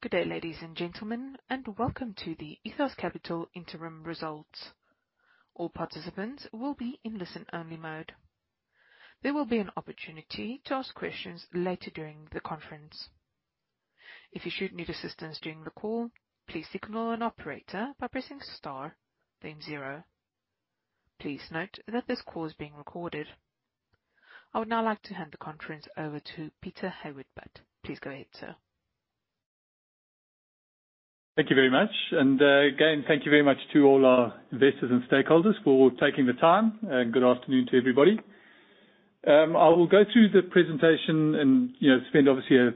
Good day, ladies and gentlemen, welcome to the Ethos Capital interim results. All participants will be in listen-only mode. There will be an opportunity to ask questions later during the conference. If you should need assistance during the call, please signal an operator by pressing star then zero. Please note that this call is being recorded. I would now like to hand the conference over to Peter Hayward-Butt. Please go ahead, sir. Thank you very much. Again, thank you very much to all our investors and stakeholders for taking the time. Good afternoon to everybody. I will go through the presentation and spend obviously a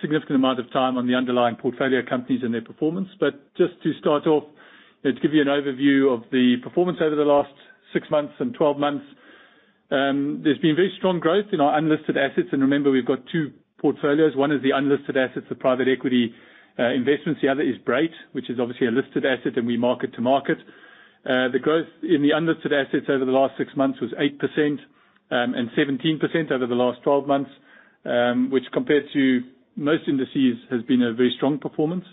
significant amount of time on the underlying portfolio companies and their performance. Just to start off, let's give you an overview of the performance over the last six months and 12 months. There's been very strong growth in our unlisted assets. Remember, we've got two portfolios. One is the unlisted assets, the private equity investments. The other is Brait, which is obviously a listed asset that we market to market. The growth in the unlisted assets over the last six months was 8% and 17% over the last 12 months, which, compared to most indices, has been a very strong performance.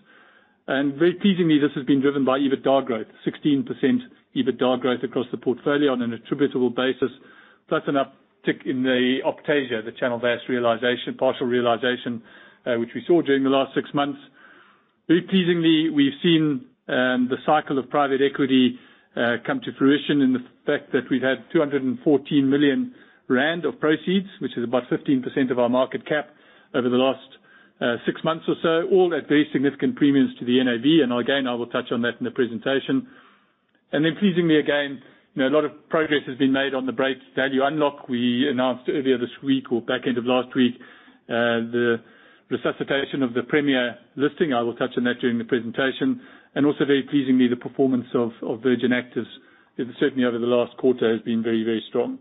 Very pleasingly, this has been driven by EBITDA growth, 16% EBITDA growth across the portfolio on an attributable basis, plus an uptick in the Optasia, the Channel VAS partial realization, which we saw during the last six months. Very pleasingly, we've seen the cycle of private equity come to fruition in the fact that we've had 214 million rand of proceeds, which is about 15% of our market cap over the last six months or so, all at very significant premiums to the NAV. Again, I will touch on that in the presentation. Then pleasingly again, a lot of progress has been made on the Brait value unlock. We announced earlier this week or back end of last week, the resuscitation of the Premier listing. I will touch on that during the presentation. Also very pleasingly, the performance of Virgin Active, certainly over the last quarter, has been very strong.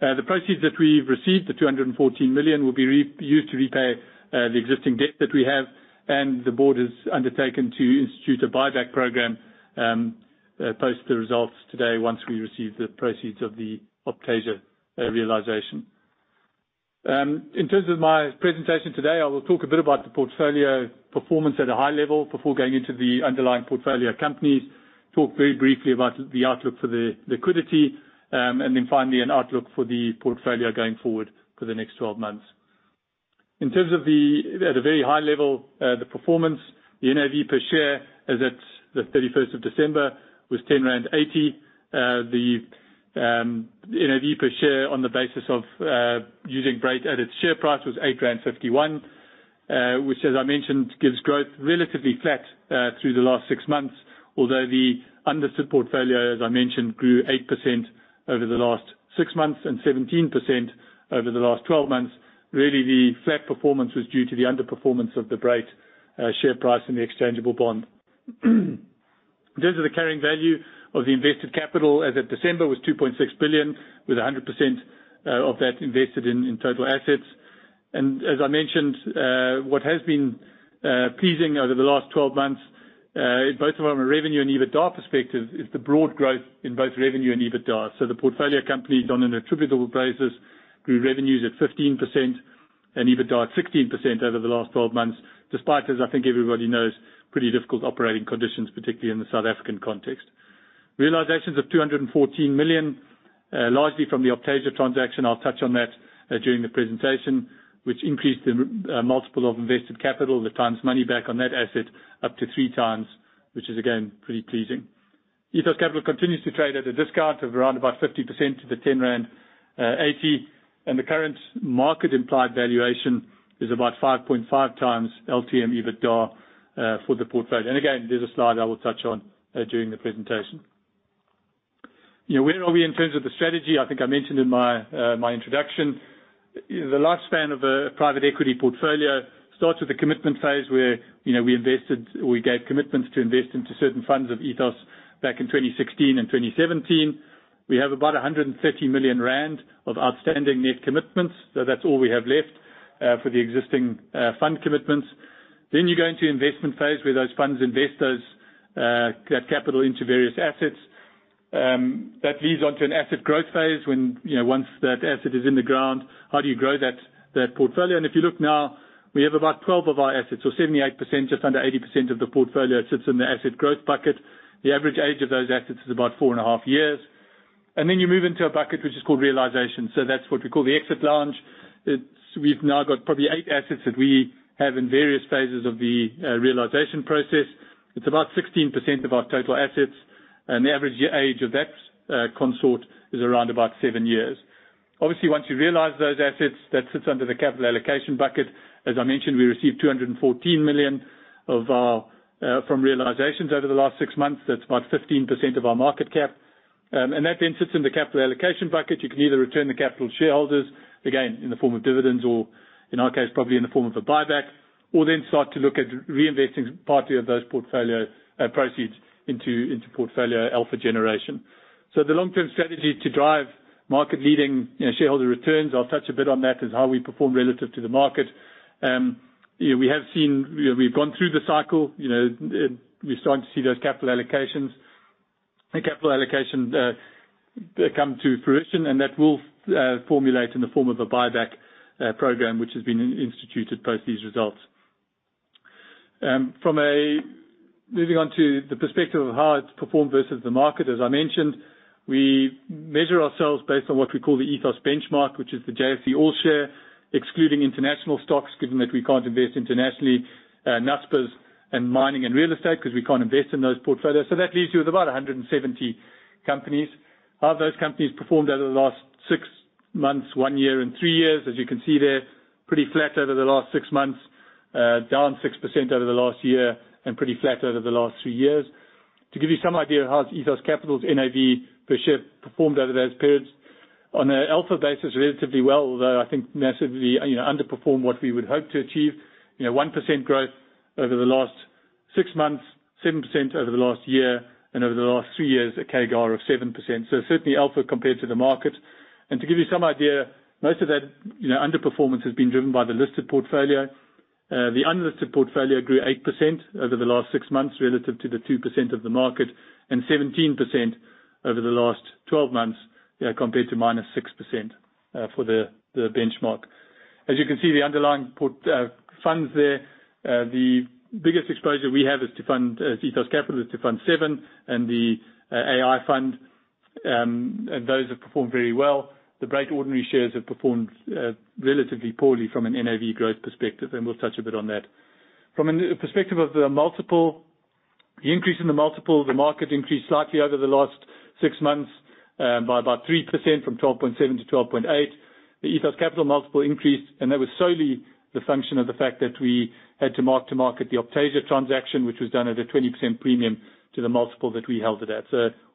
The proceeds that we've received, the 214 million, will be used to repay the existing debt that we have. The board has undertaken to institute a buyback program post the results today once we receive the proceeds of the Optasia realization. In terms of my presentation today, I will talk a bit about the portfolio performance at a high level before going into the underlying portfolio companies. Talk very briefly about the outlook for the liquidity, then finally an outlook for the portfolio going forward for the next 12 months. At a very high level, the performance, the NAV per share as at the 31st of December was 10.80. The NAV per share on the basis of using Brait at its share price was 8.51, which, as I mentioned, gives growth relatively flat through the last six months. The unlisted portfolio, as I mentioned, grew 8% over the last six months and 17% over the last 12 months. The flat performance was due to the underperformance of the Brait share price and the exchangeable bond. The carrying value of the invested capital as at December was 2.6 billion, with 100% of that invested in total assets. As I mentioned, what has been pleasing over the last 12 months, both from a revenue and EBITDA perspective, is the broad growth in both revenue and EBITDA. The portfolio companies on an attributable basis grew revenues at 15% and EBITDA at 16% over the last 12 months, despite, as I think everybody knows, pretty difficult operating conditions, particularly in the South African context. Realizations of 214 million, largely from the Optasia transaction. I'll touch on that during the presentation, which increased the multiple of invested capital, the times money back on that asset up to three times, which is again, pretty pleasing. Ethos Capital continues to trade at a discount of around about 50% to the 10.80 rand, and the current market implied valuation is about 5.5 times LTM EBITDA for the portfolio. Again, there's a slide I will touch on during the presentation. Where are we in terms of the strategy? I think I mentioned in my introduction. The lifespan of a private equity portfolio starts with the commitment phase, where we gave commitments to invest into certain funds of Ethos back in 2016 and 2017. We have about 130 million rand of outstanding net commitments. That's all we have left for the existing fund commitments. You go into investment phase where those funds invest those capital into various assets. That leads onto an asset growth phase. Once that asset is in the ground, how do you grow that portfolio? If you look now, we have about 12 of our assets or 78%, just under 80% of the portfolio sits in the asset growth bucket. The average age of those assets is about four and a half years. Then you move into a bucket, which is called realization. That's what we call the exit lounge. We've now got probably eight assets that we have in various phases of the realization process. It's about 16% of our total assets, and the average age of that consort is around about seven years. Obviously, once you realize those assets, that sits under the capital allocation bucket. As I mentioned, we received 214 million from realizations over the last six months. That's about 15% of our market cap. That then sits in the capital allocation bucket. You can either return the capital to shareholders, again, in the form of dividends or, in our case, probably in the form of a buyback, or then start to look at reinvesting part of those portfolio proceeds into portfolio alpha generation. The long-term strategy to drive market leading shareholder returns, I'll touch a bit on that, is how we perform relative to the market. We've gone through the cycle. We're starting to see those capital allocations. A capital allocation come to fruition, and that will formulate in the form of a buyback program, which has been instituted post these results. Moving on to the perspective of how it's performed versus the market. As I mentioned, we measure ourselves based on what we call the Ethos benchmark, which is the JSE All Share, excluding international stocks, given that we can't invest internationally, Naspers and mining and real estate, because we can't invest in those portfolios. That leaves you with about 170 companies. How have those companies performed over the last six months, one year, and three years? As you can see there, pretty flat over the last six months, down 6% over the last year, and pretty flat over the last three years. To give you some idea of how Ethos Capital's NAV per share performed over those periods. On an alpha basis, relatively well, although I think massively underperformed what we would hope to achieve. 1% growth over the last six months, 7% over the last year, and over the last three years, a CAGR of 7%, so certainly alpha compared to the market. To give you some idea, most of that underperformance has been driven by the listed portfolio. The unlisted portfolio grew 8% over the last six months relative to the 2% of the market, and 17% over the last 12 months, compared to -6% for the benchmark. As you can see, the underlying funds there, the biggest exposure we have as Ethos Capital is to Fund VII and the AI Fund. Those have performed very well. The Brait Ordinary shares have performed relatively poorly from an NAV growth perspective, and we'll touch a bit on that. From a perspective of the multiple, the increase in the multiple, the market increased slightly over the last six months by about 3%, from 12.7% to 12.8%. The Ethos Capital multiple increased, and that was solely the function of the fact that we had to mark to market the Optasia transaction, which was done at a 20% premium to the multiple that we held it at.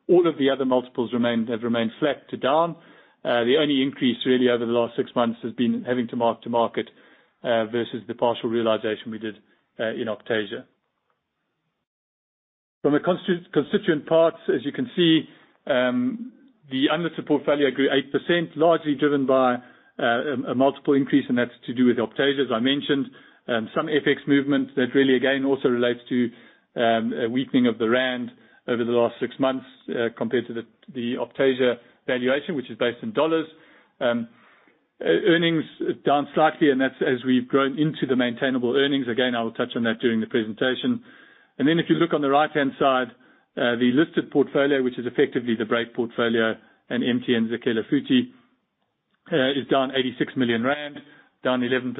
All of the other multiples have remained flat to down. The only increase really over the last six months has been having to mark to market versus the partial realization we did in Optasia. From a constituent parts, as you can see, the unlisted portfolio grew 8%, largely driven by a multiple increase, and that's to do with Optasia, as I mentioned. Some FX movements that really, again, also relates to a weakening of the ZAR over the last six months compared to the Optasia valuation, which is based in dollars. Earnings down slightly, and that's as we've grown into the maintainable earnings. Again, I will touch on that during the presentation. Then if you look on the right-hand side, the listed portfolio, which is effectively the Brait portfolio and MTN Zakhele Futhi, is down 86 million rand, down 11%,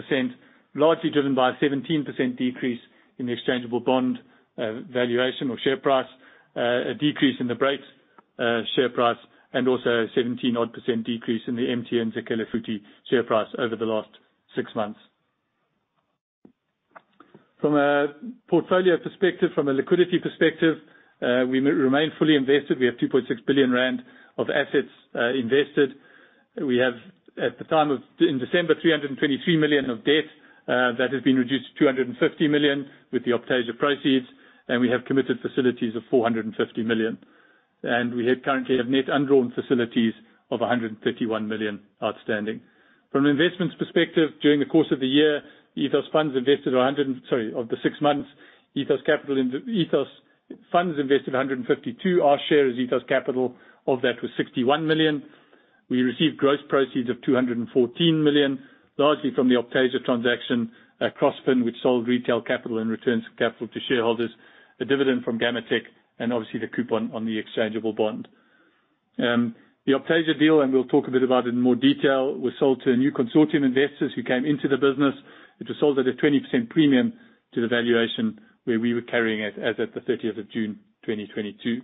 largely driven by a 17% decrease in the exchangeable bond valuation or share price, a decrease in the Brait share price, and also a 17-odd percent decrease in the MTN Zakhele Futhi share price over the last six months. From a portfolio perspective, from a liquidity perspective, we remain fully invested. We have 2.6 billion rand of assets invested. We have, in December, 323 million of debt that has been reduced to 250 million with the Optasia proceeds. We have committed facilities of 450 million. We currently have net undrawn facilities of 131 million outstanding. From an investments perspective, during the course of the year, of the six months, Ethos Capital in the Ethos funds invested 152 million. Our share as Ethos Capital of that was 61 million. We received gross proceeds of 214 million, largely from the Optasia transaction, Crossfin, which sold Retail Capital and returned some capital to shareholders, a dividend from Gammatek, obviously the coupon on the exchangeable bond. The Optasia deal, we will talk a bit about it in more detail, was sold to new consortium investors who came into the business. It was sold at a 20% premium to the valuation where we were carrying it as at the 30th of June 2022.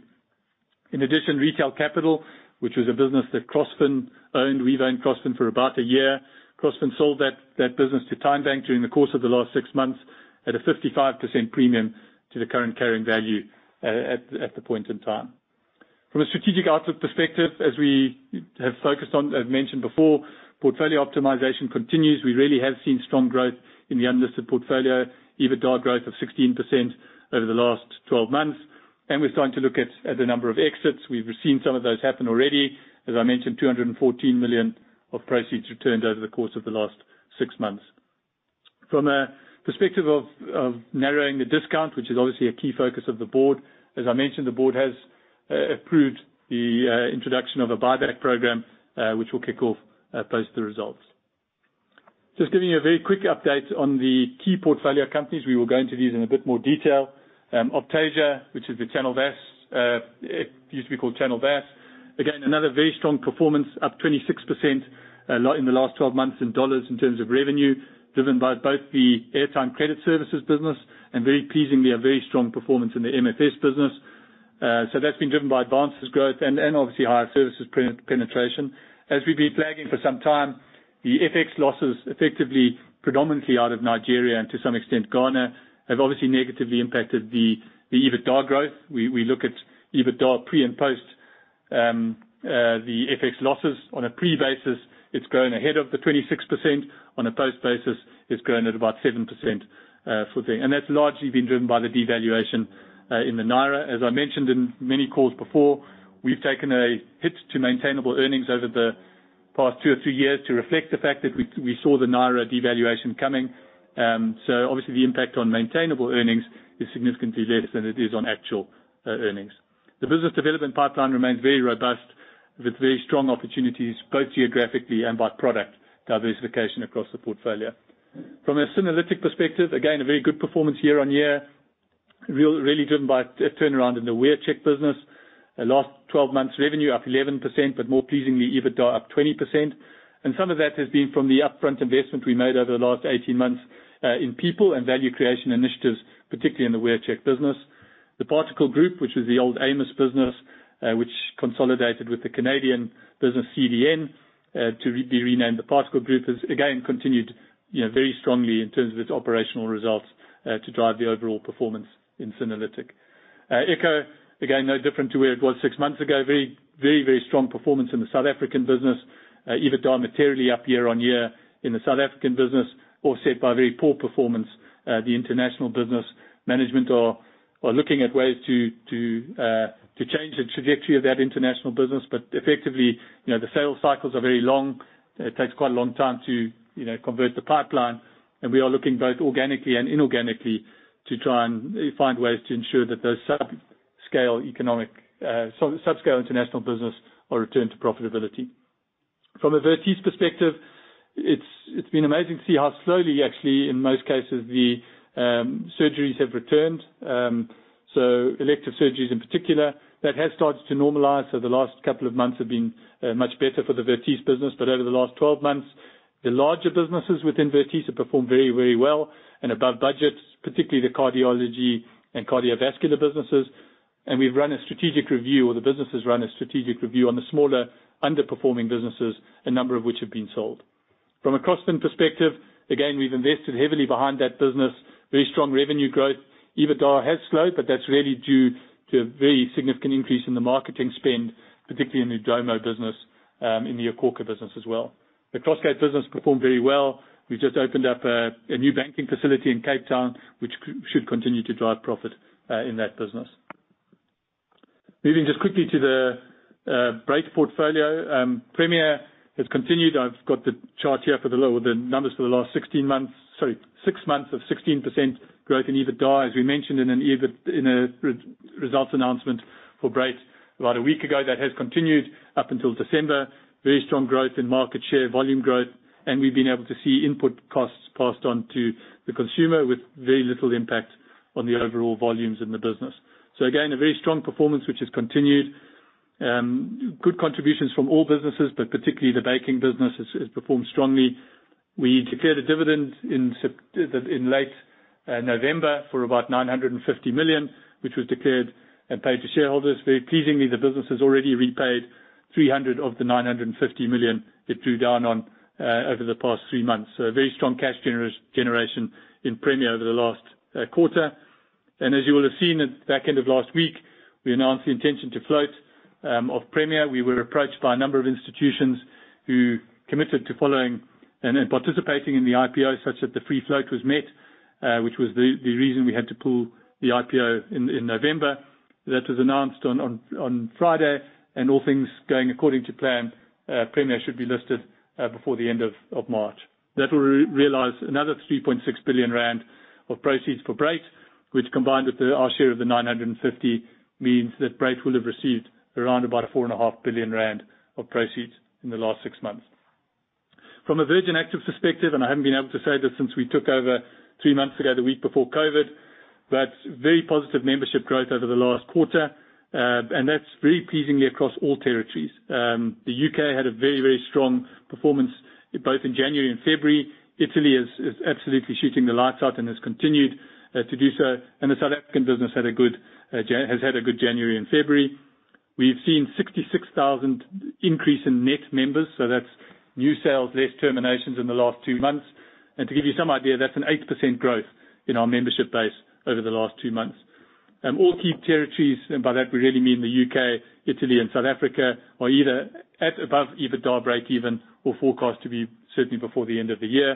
In addition, Retail Capital, which was a business that Crossfin owned. We've owned Crossfin for about a year. Crossfin sold that business to TymeBank during the course of the last six months at a 55% premium to the current carrying value at the point in time. From a strategic outlook perspective, as we have focused on, as mentioned before, portfolio optimization continues. We really have seen strong growth in the unlisted portfolio, EBITDA growth of 16% over the last 12 months. We're starting to look at the number of exits. We've seen some of those happen already. As I mentioned, 214 million of proceeds returned over the course of the last six months. From a perspective of narrowing the discount, which is obviously a key focus of the board, as I mentioned, the board has approved the introduction of a buyback program, which will kick off post the results. Just giving you a very quick update on the key portfolio companies. We will go into these in a bit more detail. Optasia, which is the Channel VAS, it used to be called Channel VAS. Again, another very strong performance, up 26% in the last 12 months in U.S. dollars in terms of revenue, driven by both the airtime credit services business, and very pleasingly, a very strong performance in the MFS business. That's been driven by advances growth and obviously higher services penetration. As we've been flagging for some time, the FX losses effectively predominantly out of Nigeria and to some extent Ghana, have obviously negatively impacted the EBITDA growth. We look at EBITDA pre and post. The FX losses on a pre basis, it's grown ahead of the 26%. On a post basis, it's grown at about 7% for the. That's largely been driven by the devaluation in the Naira. As I mentioned in many calls before, we've taken a hit to maintainable earnings over the past two or three years to reflect the fact that we saw the Naira devaluation coming. Obviously, the impact on maintainable earnings is significantly less than it is on actual earnings. The business development pipeline remains very robust, with very strong opportunities, both geographically and by product diversification across the portfolio. From a Synerlytic perspective, again, a very good performance year-on-year, really driven by a turnaround in the WearCheck business. Last 12 months revenue up 11%, but more pleasingly, EBITDA up 20%. Some of that has been from the upfront investment we made over the last 18 months in people and value creation initiatives, particularly in the WearCheck business. The Particle Group, which was the old AMOS business, which consolidated with the Canadian business, CDN, to be renamed the Particle Group, has again, continued very strongly in terms of its operational results to drive the overall performance in Synerlytic. Echo, again, no different to where it was six months ago. Very, very strong performance in the South African business. EBITDA materially up year-on-year in the South African business, offset by very poor performance, the international business management are looking at ways to change the trajectory of that international business. Effectively, the sales cycles are very long. It takes quite a long time to convert the pipeline, and we are looking both organically and inorganically to try and find ways to ensure that those subscale international business are returned to profitability. From a Vertice perspective, it has been amazing to see how slowly, actually, in most cases, the surgeries have returned. Elective surgeries in particular, that has started to normalize. The last couple of months have been much better for the Vertice business. But over the last 12 months, the larger businesses within Vertice have performed very, very well and above budgets, particularly the cardiology and cardiovascular businesses. We have run a strategic review, or the business has run a strategic review on the smaller underperforming businesses, a number of which have been sold. From a Crossfin perspective, again, we have invested heavily behind that business. Very strong revenue growth. EBITDA has slowed, but that is really due to a very significant increase in the marketing spend, particularly in the Adumo business, and the iKhokha business as well. The Crossgate business performed very well. We have just opened up a new banking facility in Cape Town, which should continue to drive profit in that business. Moving just quickly to the Brait portfolio. Premier has continued. I have got the chart here for the low with the numbers for the last six months of 16% growth in EBITDA, as we mentioned in a results announcement for Brait about a week ago. That has continued up until December. Very strong growth in market share, volume growth, and we have been able to see input costs passed on to the consumer with very little impact on the overall volumes in the business. Again, a very strong performance which has continued. Good contributions from all businesses, but particularly the banking business has performed strongly. We declared a dividend in late November for about 950 million, which was declared and paid to shareholders. Very pleasingly, the business has already repaid 300 million of the 950 million it drew down on over the past three months. So a very strong cash generation in Premier over the last quarter. As you will have seen at the back end of last week, we announced the intention to float off Premier. We were approached by a number of institutions who committed to following and participating in the IPO such that the free float was met, which was the reason we had to pull the IPO in November. That was announced on Friday, all things going according to plan, Premier should be listed before the end of March. That will realize another 3.6 billion rand of proceeds for Brait, which, combined with our share of the 950 million, means that Brait will have received around about 4.5 billion rand of proceeds in the last six months. From a Virgin Active perspective, I haven't been able to say this since we took over three months ago, the week before COVID-19, but very positive membership growth over the last quarter, and that's very pleasingly across all territories. The U.K. had a very, very strong performance both in January and February. Italy is absolutely shooting the lights out and has continued to do so. The South African business has had a good January and February. We've seen 66,000 increase in net members, so that's new sales, less terminations in the last two months. To give you some idea, that's an 8% growth in our membership base over the last two months. All key territories, and by that we really mean the U.K., Italy, and South Africa, are either at above EBITDA breakeven or forecast to be certainly before the end of the year.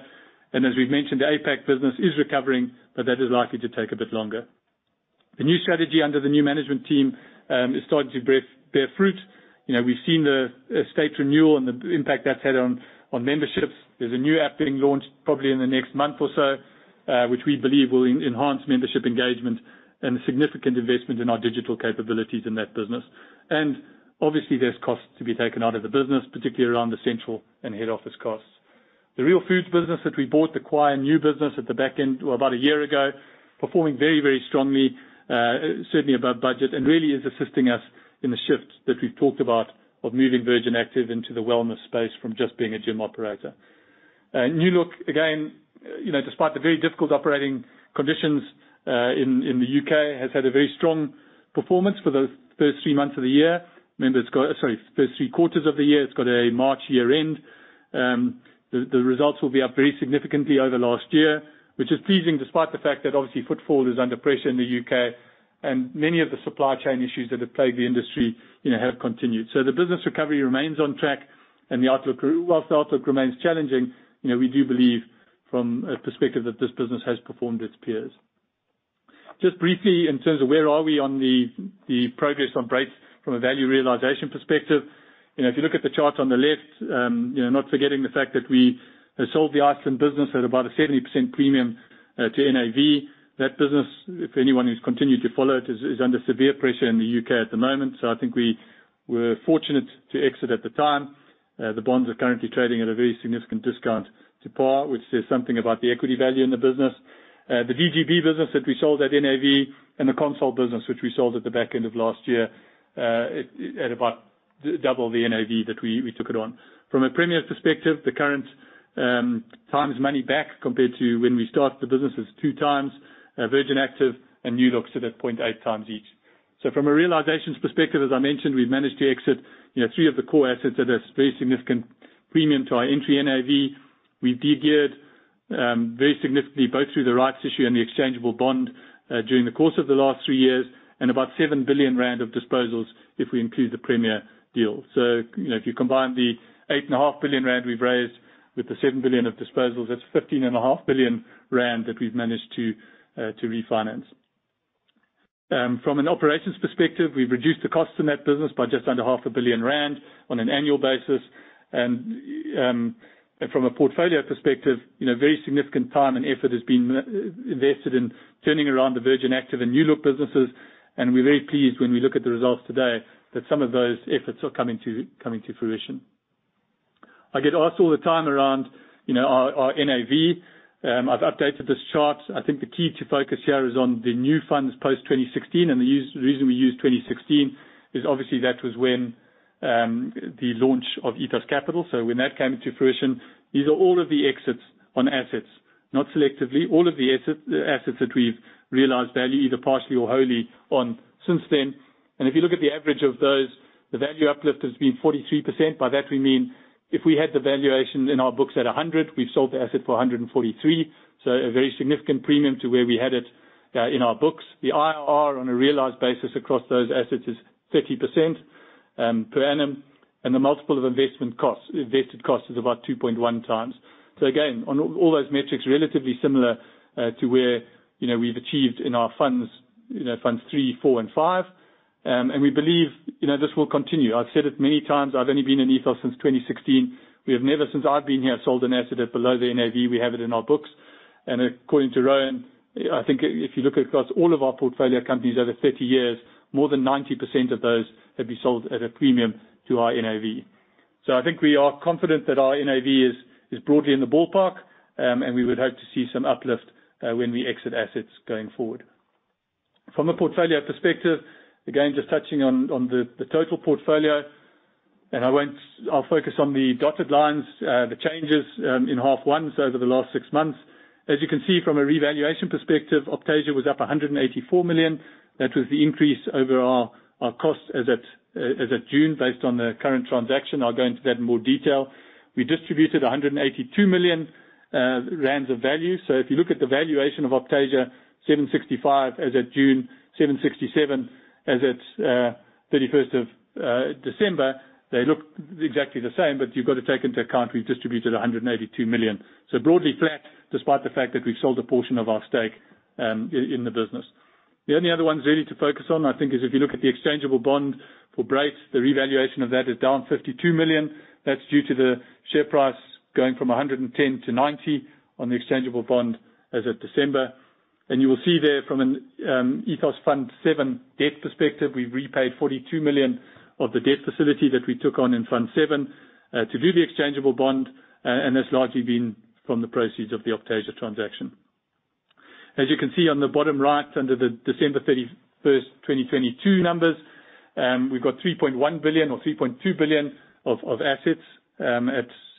As we've mentioned, the APAC business is recovering, but that is likely to take a bit longer. The new strategy under the new management team is starting to bear fruit. We've seen the estate renewal and the impact that's had on memberships. There's a new app being launched probably in the next month or so, which we believe will enhance membership engagement and a significant investment in our digital capabilities in that business. Obviously, there's costs to be taken out of the business, particularly around the central and head office costs. The Real Foods business that we bought, the Kauai business at the back end, about a year ago, performing very, very strongly, certainly above budget, and really is assisting us in the shift that we've talked about of moving Virgin Active into the wellness space from just being a gym operator. New Look, again, despite the very difficult operating conditions in the U.K., has had a very strong performance for the first three months of the year. First three quarters of the year. It's got a March year end. The results will be up very significantly over last year, which is pleasing despite the fact that obviously footfall is under pressure in the U.K. and many of the supply chain issues that have plagued the industry have continued. The business recovery remains on track and the outlook, whilst the outlook remains challenging, we do believe from a perspective that this business has performed its peers. Just briefly, in terms of where are we on the progress on Brait from a value realization perspective. If you look at the chart on the left, not forgetting the fact that we sold the Iceland business at about a 70% premium to NAV. That business, for anyone who's continued to follow it, is under severe pressure in the U.K. at the moment. I think we were fortunate to exit at the time. The bonds are currently trading at a very significant discount to par, which says something about the equity value in the business. The BKB business that we sold at NAV, and the Consol business, which we sold at the back end of last year, at about double the NAV that we took it on. From a Premier perspective, the current times money back compared to when we start the business is two times. Virgin Active and New Look sit at 0.8 times each. From a realizations perspective, as I mentioned, we've managed to exit three of the core assets at a very significant premium to our entry NAV. We de-geared very significantly, both through the rights issue and the exchangeable bond during the course of the last three years, 7 billion rand of disposals if we include the Premier deal. If you combine the 8.5 billion rand we've raised with the 7 billion of disposals, that's 15.5 billion rand that we've managed to refinance. From an operations perspective, we've reduced the cost in that business by just under 0.5 billion rand on an annual basis. From a portfolio perspective, very significant time and effort has been invested in turning around the Virgin Active and New Look businesses, and we're very pleased when we look at the results today that some of those efforts are coming to fruition. I get asked all the time around our NAV. I've updated this chart. I think the key to focus here is on the new funds post 2016, and the reason we use 2016 is obviously that was when the launch of Ethos Capital. When that came to fruition. These are all of the exits on assets, not selectively, all of the assets that we've realized value, either partially or wholly on since then. If you look at the average of those, the value uplift has been 43%. By that we mean if we had the valuations in our books at 100%, we've sold the asset for 143%. A very significant premium to where we had it in our books. The IRR on a realized basis across those assets is 30% per annum, and the multiple of invested cost is about 2.1 times. Again, on all those metrics, relatively similar to where we've achieved in our Funds III, IV, and V. We believe this will continue. I've said it many times, I've only been in Ethos since 2016. We have never, since I've been here, sold an asset at below the NAV we have it in our books. According to Rowan, I think if you look across all of our portfolio companies over 30 years, more than 90% of those have been sold at a premium to our NAV. I think we are confident that our NAV is broadly in the ballpark, and we would hope to see some uplift when we exit assets going forward. From a portfolio perspective, again, just touching on the total portfolio, I'll focus on the dotted lines, the changes, in half one, over the last six months. As you can see from a revaluation perspective, Optasia was up 184 million. That was the increase over our cost as at June, based on the current transaction. I'll go into that in more detail. We distributed 182 million rand of value. If you look at the valuation of Optasia, 765 million as at June, 767 million as at December 31st. They look exactly the same, but you've got to take into account we've distributed 182 million. Broadly flat, despite the fact that we've sold a portion of our stake in the business. The only other ones really to focus on, I think, is if you look at the exchangeable bond for Brait, the revaluation of that is down 52 million. That's due to the share price going from 110 million to 90 million on the exchangeable bond as of December. You will see there from an Ethos Fund VII debt perspective, we've repaid 42 million of the debt facility that we took on in Fund VII to do the exchangeable bond, and that's largely been from the proceeds of the Optasia transaction. As you can see on the bottom right under the December 31st, 2022 numbers, we've got 3.1 billion or 3.2 billion of assets.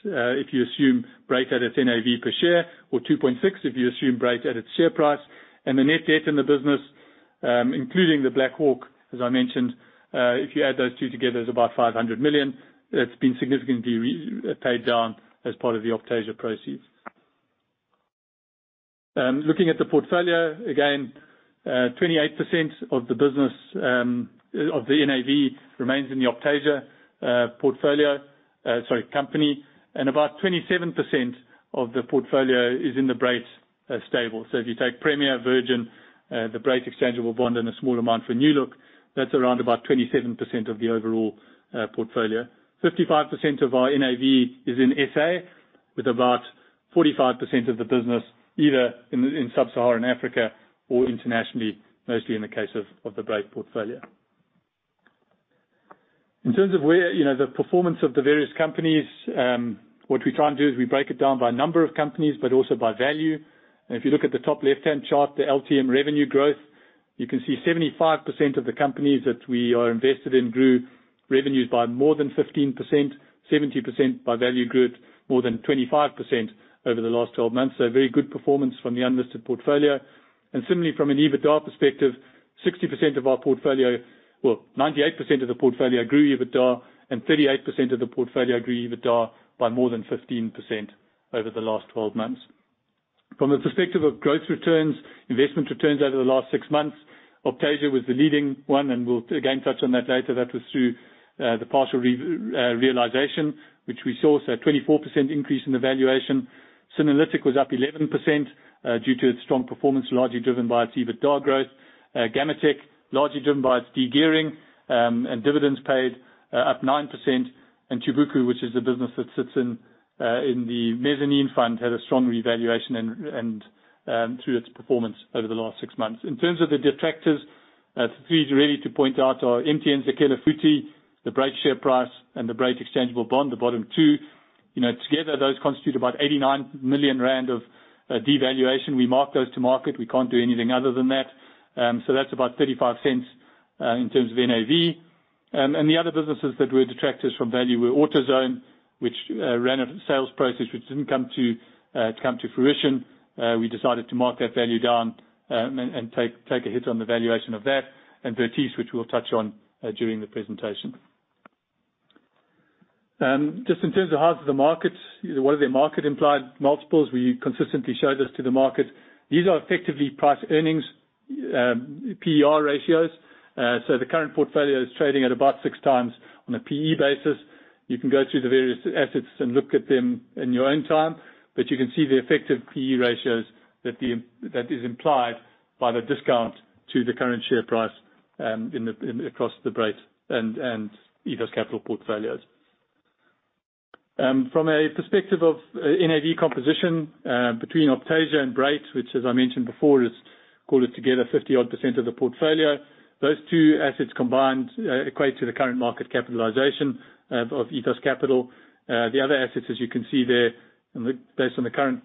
If you assume Brait at its NAV per share or 2.6, if you assume Brait at its share price. The net debt in the business, including the Black Hawk, as I mentioned, if you add those two together, is about 500 million. It's been significantly paid down as part of the Optasia proceeds. Looking at the portfolio again, 28% of the NAV remains in the Optasia company, and about 27% of the portfolio is in the Brait stable. If you take Premier, Virgin Active, the Brait exchangeable bond, and a small amount for New Look, that's around about 27% of the overall portfolio. 55% of our NAV is in SA, with about 45% of the business either in Sub-Saharan Africa or internationally, mostly in the case of the Brait portfolio. In terms of where the performance of the various companies, what we try and do is we break it down by number of companies, but also by value. If you look at the top left-hand chart, the LTM revenue growth, you can see 75% of the companies that we are invested in grew revenues by more than 15%, 70% by value grew more than 25% over the last 12 months. Very good performance from the unlisted portfolio. Similarly, from an EBITDA perspective, 98% of the portfolio grew EBITDA, and 38% of the portfolio grew EBITDA by more than 15% over the last 12 months. From the perspective of growth returns, investment returns over the last six months. Optasia was the leading one, and we'll again touch on that later. That was through the partial realization, which we saw is a 24% increase in the valuation. Synerlytic was up 11% due to its strong performance, largely driven by its EBITDA growth. Gammatek, largely driven by its de-gearing, and dividends paid, up 9%. Tubuku, which is the business that sits in the mezzanine fund, had a strong revaluation through its performance over the last six months. In terms of the detractors, three to really point out are MTN Zakhele Futhi, the Brait share price, and the Brait exchangeable bond, the bottom two. Together those constitute about 89 million rand of devaluation. We mark those to market. We can't do anything other than that. That's about 0.35 in terms of NAV. The other businesses that were detractors from value were AutoZone, which ran a sales process which did not come to fruition. We decided to mark that value down and take a hit on the valuation of that, and Vertice, which we will touch on during the presentation. In terms of how is the market, what are their market implied multiples? We consistently show this to the market. These are effectively price-earnings, PER ratios. The current portfolio is trading at about six times on a P/E basis. You can go through the various assets and look at them in your own time. You can see the effective P/E ratios that is implied by the discount to the current share price across the Brait and Ethos Capital portfolios. From a perspective of NAV composition, between Optasia and Brait, which as I mentioned before, is call it together 50% odd of the portfolio. Those two assets combined equate to the current market capitalization of Ethos Capital. The other assets, as you can see there, based on the current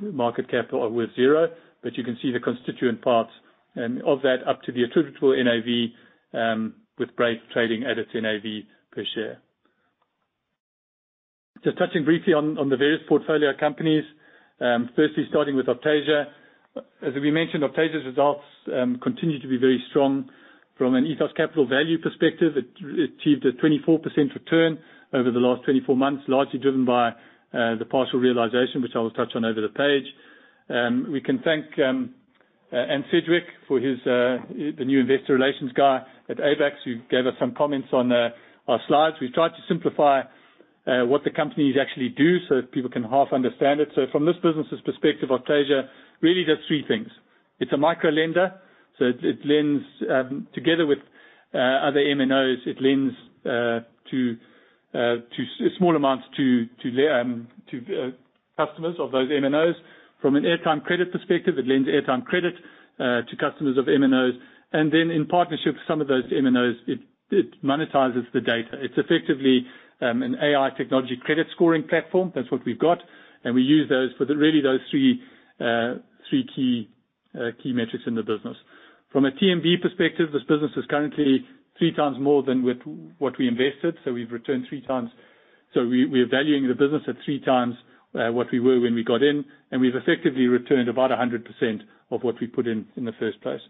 market capital, are worth zero. You can see the constituent parts of that up to the attributable NAV, with Brait trading at its NAV per share. Touching briefly on the various portfolio companies. Firstly, starting with Optasia. As we mentioned, Optasia's results continue to be very strong. From an Ethos Capital value perspective, it achieved a 24% return over the last 24 months, largely driven by the partial realization, which I will touch on over the page. We can thank Anthony Sedgwick for his, the new investor relations guy at Abax, who gave us some comments on our slides. We have tried to simplify what the companies actually do so that people can half understand it. From this business's perspective, Optasia really does three things. It is a micro lender. It lends together with other MNOs. It lends small amounts to customers of those MNOs. From an airtime credit perspective, it lends airtime credit to customers of MNOs, and then in partnership with some of those MNOs, it monetizes the data. It is effectively an AI technology credit scoring platform. That is what we have got. We use those for really those three key metrics in the business. From a TMB perspective, this business is currently three times more than what we invested. We have returned three times. We are valuing the business at three times what we were when we got in, and we have effectively returned about 100% of what we put in the first place.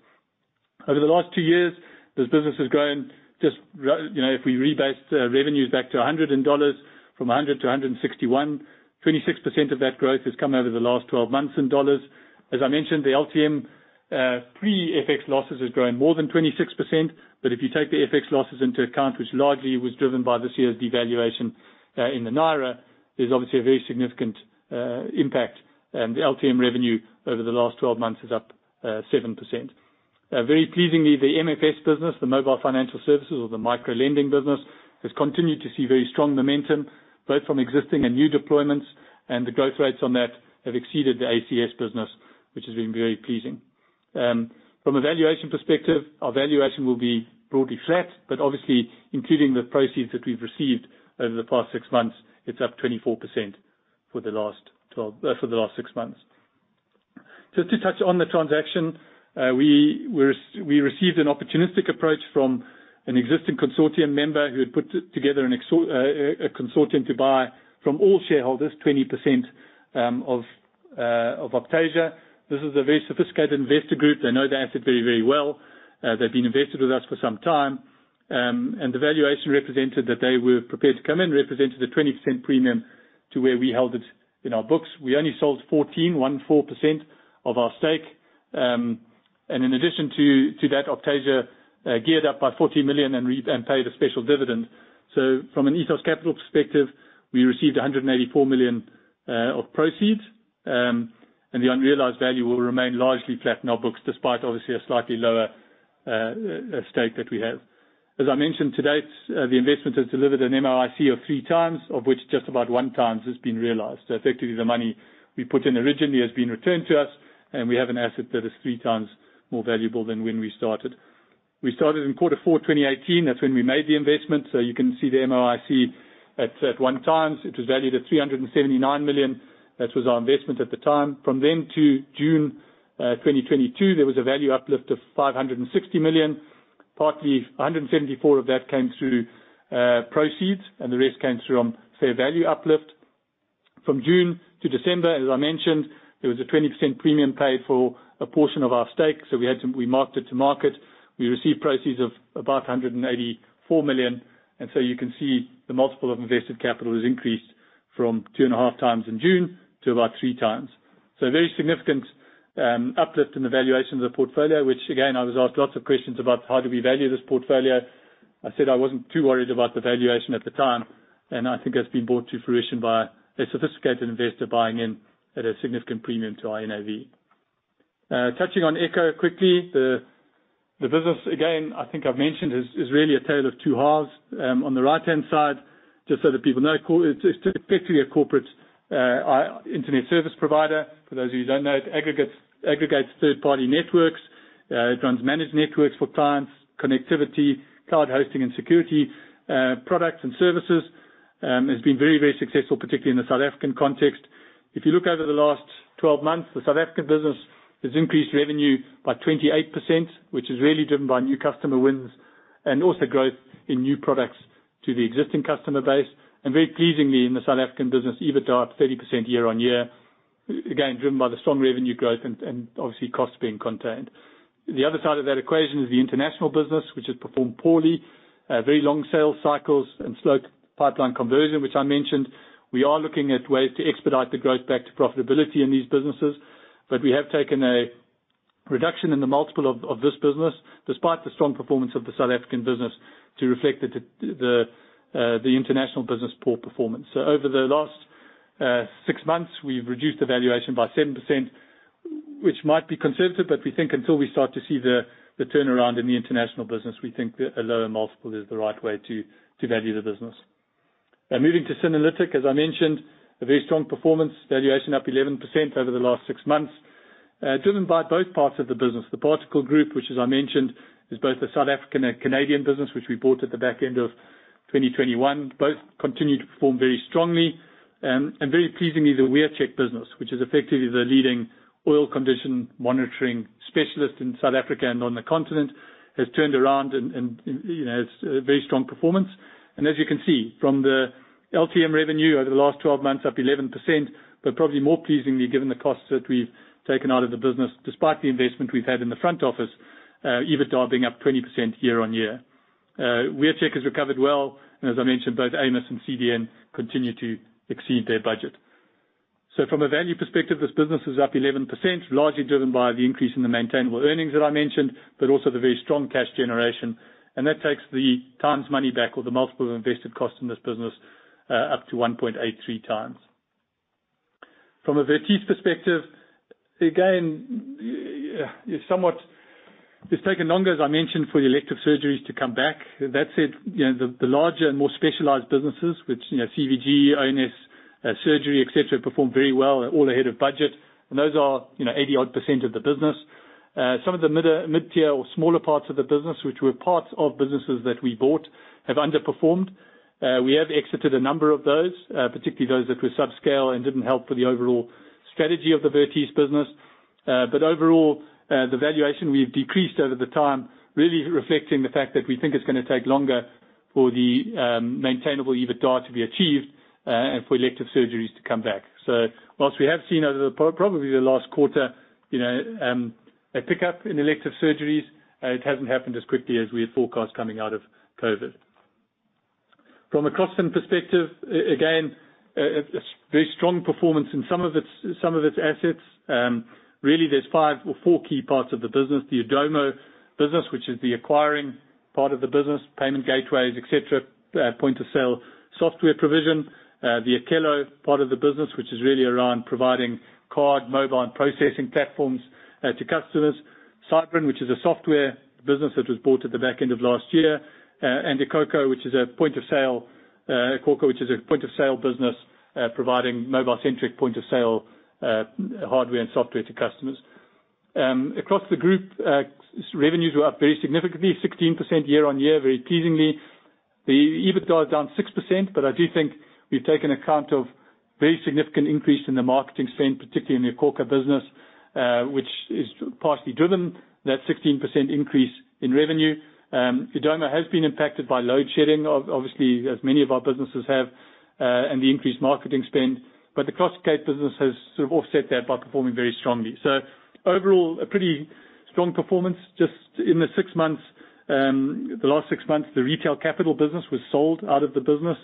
Over the last two years, this business has grown, if we rebase revenues back to $100 from $100 to $161, 26% of that growth has come over the last 12 months in dollars. As I mentioned, the LTM pre-FX losses has grown more than 26%. If you take the FX losses into account, which largely was driven by this year's devaluation in the Naira, there is obviously a very significant impact. The LTM revenue over the last 12 months is up 7%. Very pleasingly, the MFS business, the mobile financial services or the micro lending business, has continued to see very strong momentum, both from existing and new deployments, and the growth rates on that have exceeded the ACS business, which has been very pleasing. From a valuation perspective, our valuation will be broadly flat, but obviously including the proceeds that we've received over the past six months, it's up 24% for the last six months. Just to touch on the transaction. We received an opportunistic approach from an existing consortium member who had put together a consortium to buy from all shareholders 20% of Optasia. This is a very sophisticated investor group. They know the asset very, very well. They've been invested with us for some time. The valuation represented that they were prepared to come in, represented a 20% premium to where we held it in our books. We only sold 14% of our stake. In addition to that, Optasia geared up by $40 million and paid a special dividend. From an Ethos Capital perspective, we received 184 million of proceeds. The unrealized value will remain largely flat in our books, despite obviously a slightly lower stake that we have. As I mentioned, to date, the investment has delivered an MOIC of three times, of which just about one time has been realized. Effectively, the money we put in originally has been returned to us, and we have an asset that is three times more valuable than when we started. We started in quarter four 2018. That's when we made the investment. You can see the MOIC at one time. It was valued at $379 million. That was our investment at the time. From then to June 2022, there was a value uplift of $560 million. Partly, $174 million of that came through proceeds, and the rest came through on fair value uplift. From June to December, as I mentioned, there was a 20% premium paid for a portion of our stake. We marked it to market. We received proceeds of about 184 million. You can see the multiple of invested capital has increased from two and a half times in June to about three times. Very significant uplift in the valuation of the portfolio, which again, I was asked lots of questions about how do we value this portfolio. I said I wasn't too worried about the valuation at the time, and I think that's been brought to fruition by a sophisticated investor buying in at a significant premium to our NAV. Touching on Echo quickly. The business, again, I think I've mentioned, is really a tale of two halves. On the right-hand side, just so that people know, it's typically a corporate internet service provider. For those of you who don't know, it aggregates third-party networks. It runs managed networks for clients, connectivity, cloud hosting and security products and services. It's been very, very successful, particularly in the South African context. If you look over the last 12 months, the South African business has increased revenue by 28%, which is really driven by new customer wins, and also growth in new products to the existing customer base. Very pleasingly, in the South African business, EBITDA up 30% year-on-year, again, driven by the strong revenue growth and obviously costs being contained. The other side of that equation is the international business, which has performed poorly. Very long sales cycles and slow pipeline conversion, which I mentioned. We are looking at ways to expedite the growth back to profitability in these businesses. We have taken a reduction in the multiple of this business, despite the strong performance of the South African business, to reflect the international business' poor performance. Over the last six months, we have reduced the valuation by 7%, which might be conservative, but we think until we start to see the turnaround in the international business, we think that a lower multiple is the right way to value the business. Moving to Synerlytic, as I mentioned, a very strong performance. Valuation up 11% over the last six months driven by both parts of the business. The Particle Group, which as I mentioned, is both the South African and Canadian business, which we bought at the back end of 2021. Both continued to perform very strongly. Very pleasingly, the WearCheck business, which is effectively the leading oil condition monitoring specialist in South Africa and on the continent, has turned around and has very strong performance. As you can see from the LTM revenue over the last 12 months, up 11%, but probably more pleasingly, given the costs that we have taken out of the business, despite the investment we have had in the front office, EBITDA up 20% year-on-year. WearCheck has recovered well, as I mentioned, both AMOS and CDN continue to exceed their budget. From a value perspective, this business is up 11%, largely driven by the increase in the maintainable earnings that I mentioned, but also the very strong cash generation. That takes the times money back or the multiple of invested cost in this business up to 1.83 times. From a Vertice perspective, again, it has taken longer, as I mentioned, for the elective surgeries to come back. That said, the larger and more specialized businesses, which CVG, ONS, surgery, et cetera, perform very well, all ahead of budget. Those are 80 odd percent of the business. Some of the mid-tier or smaller parts of the business, which were parts of businesses that we bought, have underperformed. We have exited a number of those, particularly those that were subscale and did not help for the overall strategy of the Vertice business. Overall, the valuation we have decreased over the time really reflecting the fact that we think it is going to take longer for the maintainable EBITDA to be achieved and for elective surgeries to come back. Whilst we have seen over probably the last quarter, a pickup in elective surgeries, it has not happened as quickly as we had forecast coming out of COVID-19. From a Crossfin perspective, again, very strong performance in some of its assets. There are five or four key parts of the business. The Adumo business, which is the acquiring part of the business, payment gateways, et cetera, point of sale software provision. The iKhokha part of the business, which is really around providing card mobile and processing platforms to customers. Sybrin, which is a software business that was bought at the back end of last year. iKhokha, which is a point of sale business providing mobile-centric point of sale hardware and software to customers. Across the group, revenues were up very significantly, 16% year-on-year, very pleasingly. The EBITDA is down 6%. I do think we've taken account of very significant increase in the marketing spend, particularly in the iKhokha business, which has partly driven that 16% increase in revenue. Adumo has been impacted by load shedding, obviously as many of our businesses have, and the increased marketing spend. The Crossgate business has sort of offset that by performing very strongly. Overall, a pretty strong performance. Just in the last six months, the Retail Capital business was sold out of the business.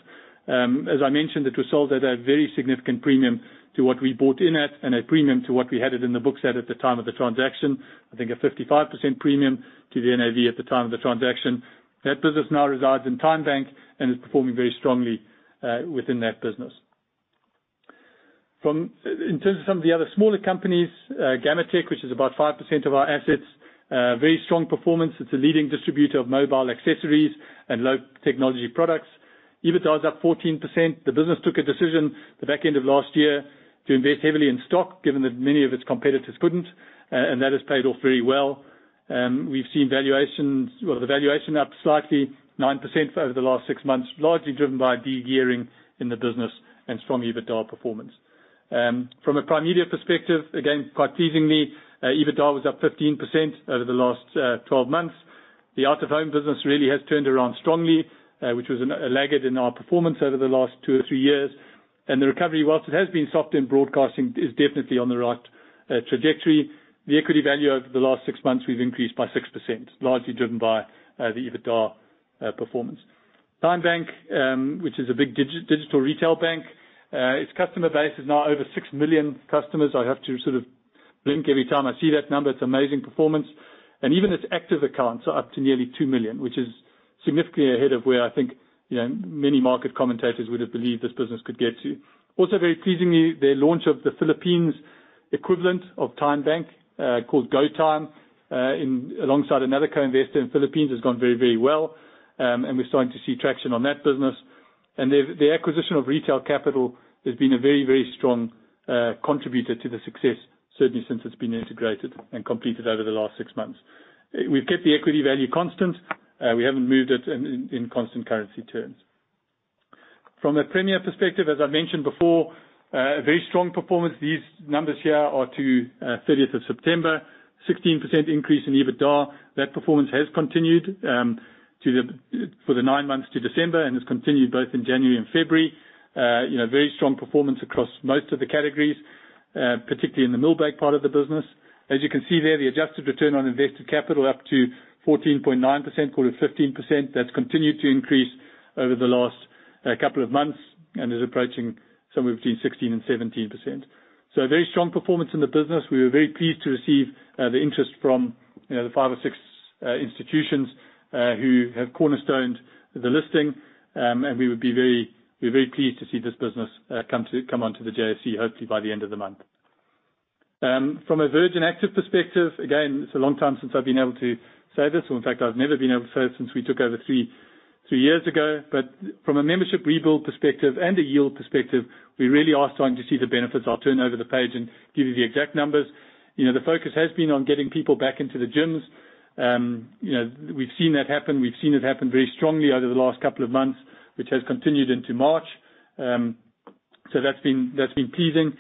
As I mentioned, it was sold at a very significant premium to what we bought in at and a premium to what we had it in the books at the time of the transaction. I think a 55% premium to the NAV at the time of the transaction. That business now resides in TymeBank and is performing very strongly within that business. In terms of some of the other smaller companies, Gammatek, which is about 5% of our assets, very strong performance. It's a leading distributor of mobile accessories and low technology products. EBITDA is up 14%. The business took a decision the back end of last year to invest heavily in stock, given that many of its competitors couldn't, and that has paid off very well. We've seen the valuation up slightly, 9% over the last six months, largely driven by de-gearing in the business and strong EBITDA performance. From a Primedia perspective, again, quite pleasingly, EBITDA was up 15% over the last 12 months. The out-of-home business really has turned around strongly, which was laggard in our performance over the last two or three years. The recovery, whilst it has been soft in broadcasting, is definitely on the right trajectory. The equity value over the last six months, we've increased by 6%, largely driven by the EBITDA performance. TymeBank, which is a big digital retail bank, its customer base is now over six million customers. I have to blink every time I see that number. It's amazing performance. Even its active accounts are up to nearly two million, which is significantly ahead of where I think, many market commentators would have believed this business could get to. Also, very pleasingly, their launch of the Philippines equivalent of TymeBank, called GoTyme, alongside another co-investor in the Philippines, has gone very, very well, and we're starting to see traction on that business. The acquisition of Retail Capital has been a very, very strong contributor to the success, certainly since it's been integrated and completed over the last six months. We've kept the equity value constant. We haven't moved it in constant currency terms. From a Premier perspective, as I mentioned before, a very strong performance. These numbers here are to 30th of September. 16% increase in EBITDA. That performance has continued for the nine months to December and has continued both in January and February. Very strong performance across most of the categories, particularly in the Millbake part of the business. As you can see there, the adjusted return on invested capital up to 14.9%, call it 15%. That's continued to increase over the last couple of months and is approaching somewhere between 16% and 17%. A very strong performance in the business. We were very pleased to receive the interest from the five or six institutions who have cornerstoned the listing. We would be very pleased to see this business come onto the JSE, hopefully by the end of the month. From a Virgin Active perspective, again, it's a long time since I've been able to say this, or in fact, I've never been able to say it since we took over three years ago. From a membership rebuild perspective and a yield perspective, we really are starting to see the benefits. I'll turn over the page and give you the exact numbers. The focus has been on getting people back into the gyms. We've seen that happen. We've seen it happen very strongly over the last couple of months, which has continued into March. That's been pleasing.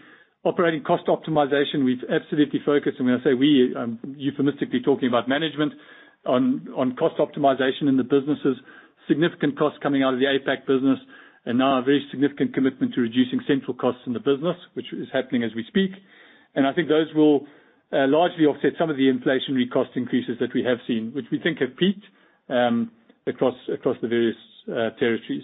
Operating cost optimization, we've absolutely focused, and when I say we, I'm euphemistically talking about management, on cost optimization in the businesses. Significant costs coming out of the APAC business, now a very significant commitment to reducing central costs in the business, which is happening as we speak. I think those will largely offset some of the inflationary cost increases that we have seen, which we think have peaked across the various territories.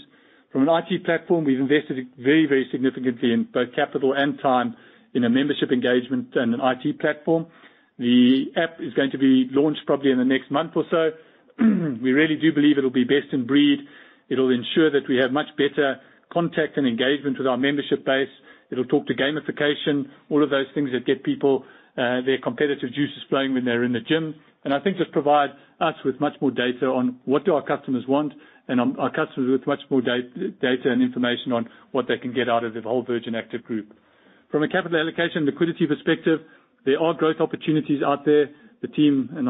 From an IT platform, we've invested very, very significantly in both capital and time in a membership engagement and an IT platform. The app is going to be launched probably in the next month or so. We really do believe it'll be best in breed. It'll ensure that we have much better contact and engagement with our membership base. It'll talk to gamification, all of those things that get people, their competitive juices flowing when they're in the gym. I think this provides us with much more data on what do our customers want and our customers with much more data and information on what they can get out of the whole Virgin Active group. From a capital allocation liquidity perspective, there are growth opportunities out there. The team, and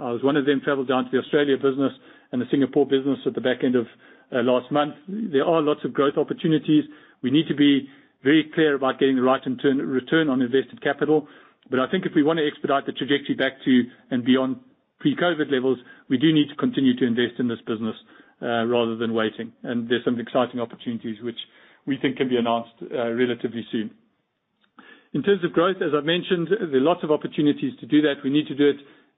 I was one of them, traveled down to the Australia business and the Singapore business at the back end of last month. There are lots of growth opportunities. We need to be very clear about getting the right return on invested capital. I think if we want to expedite the trajectory back to and beyond pre-COVID-19 levels, we do need to continue to invest in this business rather than waiting. There's some exciting opportunities which we think can be announced relatively soon. In terms of growth, as I've mentioned, there are lots of opportunities to do that. We need to do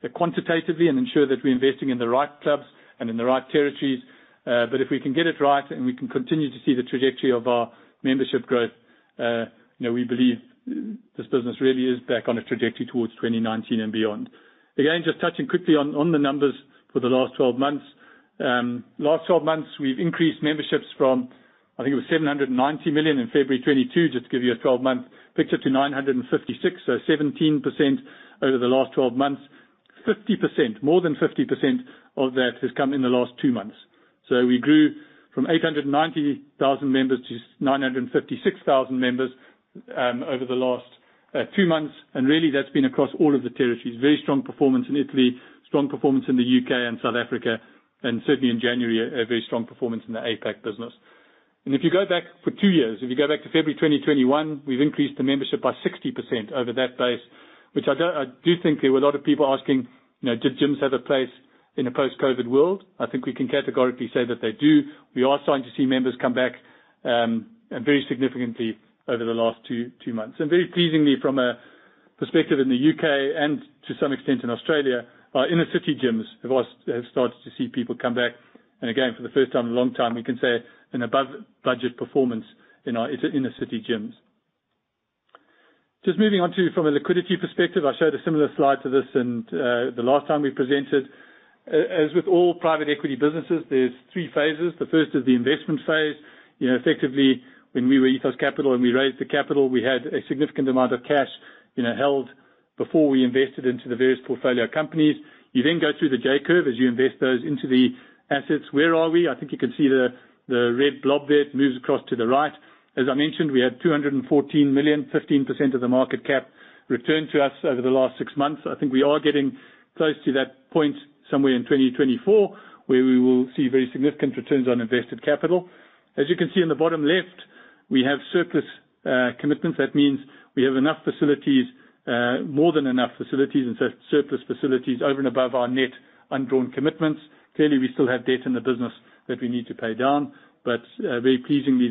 it quantitatively and ensure that we're investing in the right clubs and in the right territories. If we can get it right and we can continue to see the trajectory of our membership growth, we believe this business really is back on a trajectory towards 2019 and beyond. Again, just touching quickly on the numbers for the last 12 months. Last 12 months, we've increased memberships from, I think it was 790 in February 2022, just to give you a 12-month picture, to 956. 17% over the last 12 months. More than 50% of that has come in the last two months. We grew from 890,000 members to 956,000 members over the last two months. Really, that's been across all of the territories. Very strong performance in Italy, strong performance in the U.K. and South Africa, and certainly in January, a very strong performance in the APAC business. If you go back for two years, if you go back to February 2021, we've increased the membership by 60% over that base, which I do think there were a lot of people asking, did gyms have a place in a post-COVID-19 world? I think we can categorically say that they do. We are starting to see members come back very significantly over the last two months. Very pleasingly from a perspective in the U.K. and to some extent in Australia, our inner city gyms have started to see people come back. Again, for the first time in a long time, we can say an above budget performance in our inner city gyms. Just moving on to from a liquidity perspective, I showed a similar slide to this the last time we presented. As with all private equity businesses, there are three phases. The first is the investment phase. Effectively, when we were Ethos Capital and we raised the capital, we had a significant amount of cash held before we invested into the various portfolio companies. You then go through the J-curve as you invest those into the assets. Where are we? I think you can see the red blob there. It moves across to the right. As I mentioned, we had 214 million, 15% of the market cap returned to us over the last six months. I think we are getting close to that point somewhere in 2024, where we will see very significant returns on invested capital. As you can see in the bottom left. We have surplus commitments. That means we have more than enough facilities and surplus facilities over and above our net undrawn commitments. Clearly, we still have debt in the business that we need to pay down. Very pleasingly,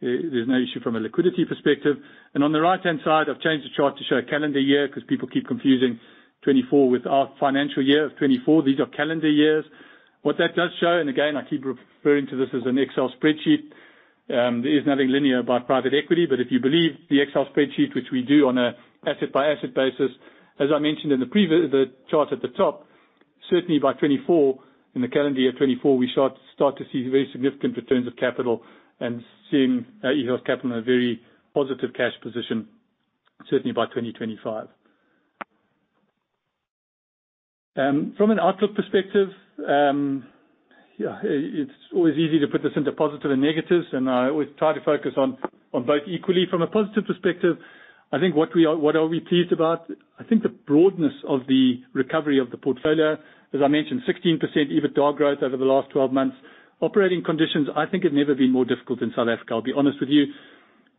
there's no issue from a liquidity perspective. On the right-hand side, I've changed the chart to show a calendar year because people keep confusing 2024 with our financial year of 2024. These are calendar years. What that does show, again, I keep referring to this as an Excel spreadsheet, there is nothing linear about private equity. If you believe the Excel spreadsheet, which we do on an asset-by-asset basis, as I mentioned in the chart at the top, certainly by financial year 2024, we start to see very significant returns of capital and seeing Ethos Capital in a very positive cash position, certainly by 2025. From an outlook perspective, it's always easy to put this into positive and negatives, and I always try to focus on both equally. From a positive perspective, I think what are we pleased about? I think the broadness of the recovery of the portfolio. As I mentioned, 16% EBITDA growth over the last 12 months. Operating conditions, I think have never been more difficult in South Africa, I'll be honest with you.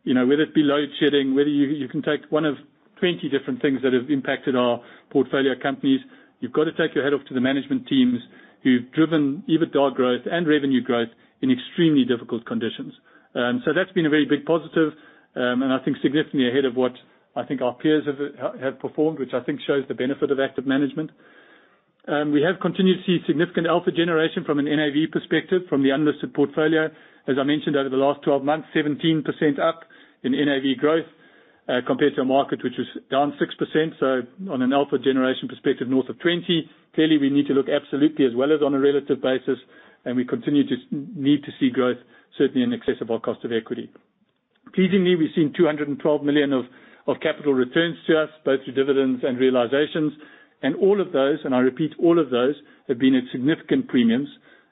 Whether it be load shedding, whether you can take one of 20 different things that have impacted our portfolio companies, you've got to take your hat off to the management teams who've driven EBITDA growth and revenue growth in extremely difficult conditions. That's been a very big positive, and I think significantly ahead of what I think our peers have performed, which I think shows the benefit of active management. We have continued to see significant alpha generation from an NAV perspective from the unlisted portfolio. As I mentioned, over the last 12 months, 17% up in NAV growth compared to a market which was down 6%. On an alpha generation perspective, north of 20. Clearly, we need to look absolutely as well as on a relative basis, and we continue to need to see growth, certainly in excess of our cost of equity. Pleasingly, we've seen 212 million of capital returns to us, both through dividends and realizations. All of those, and I repeat, all of those, have been at significant premiums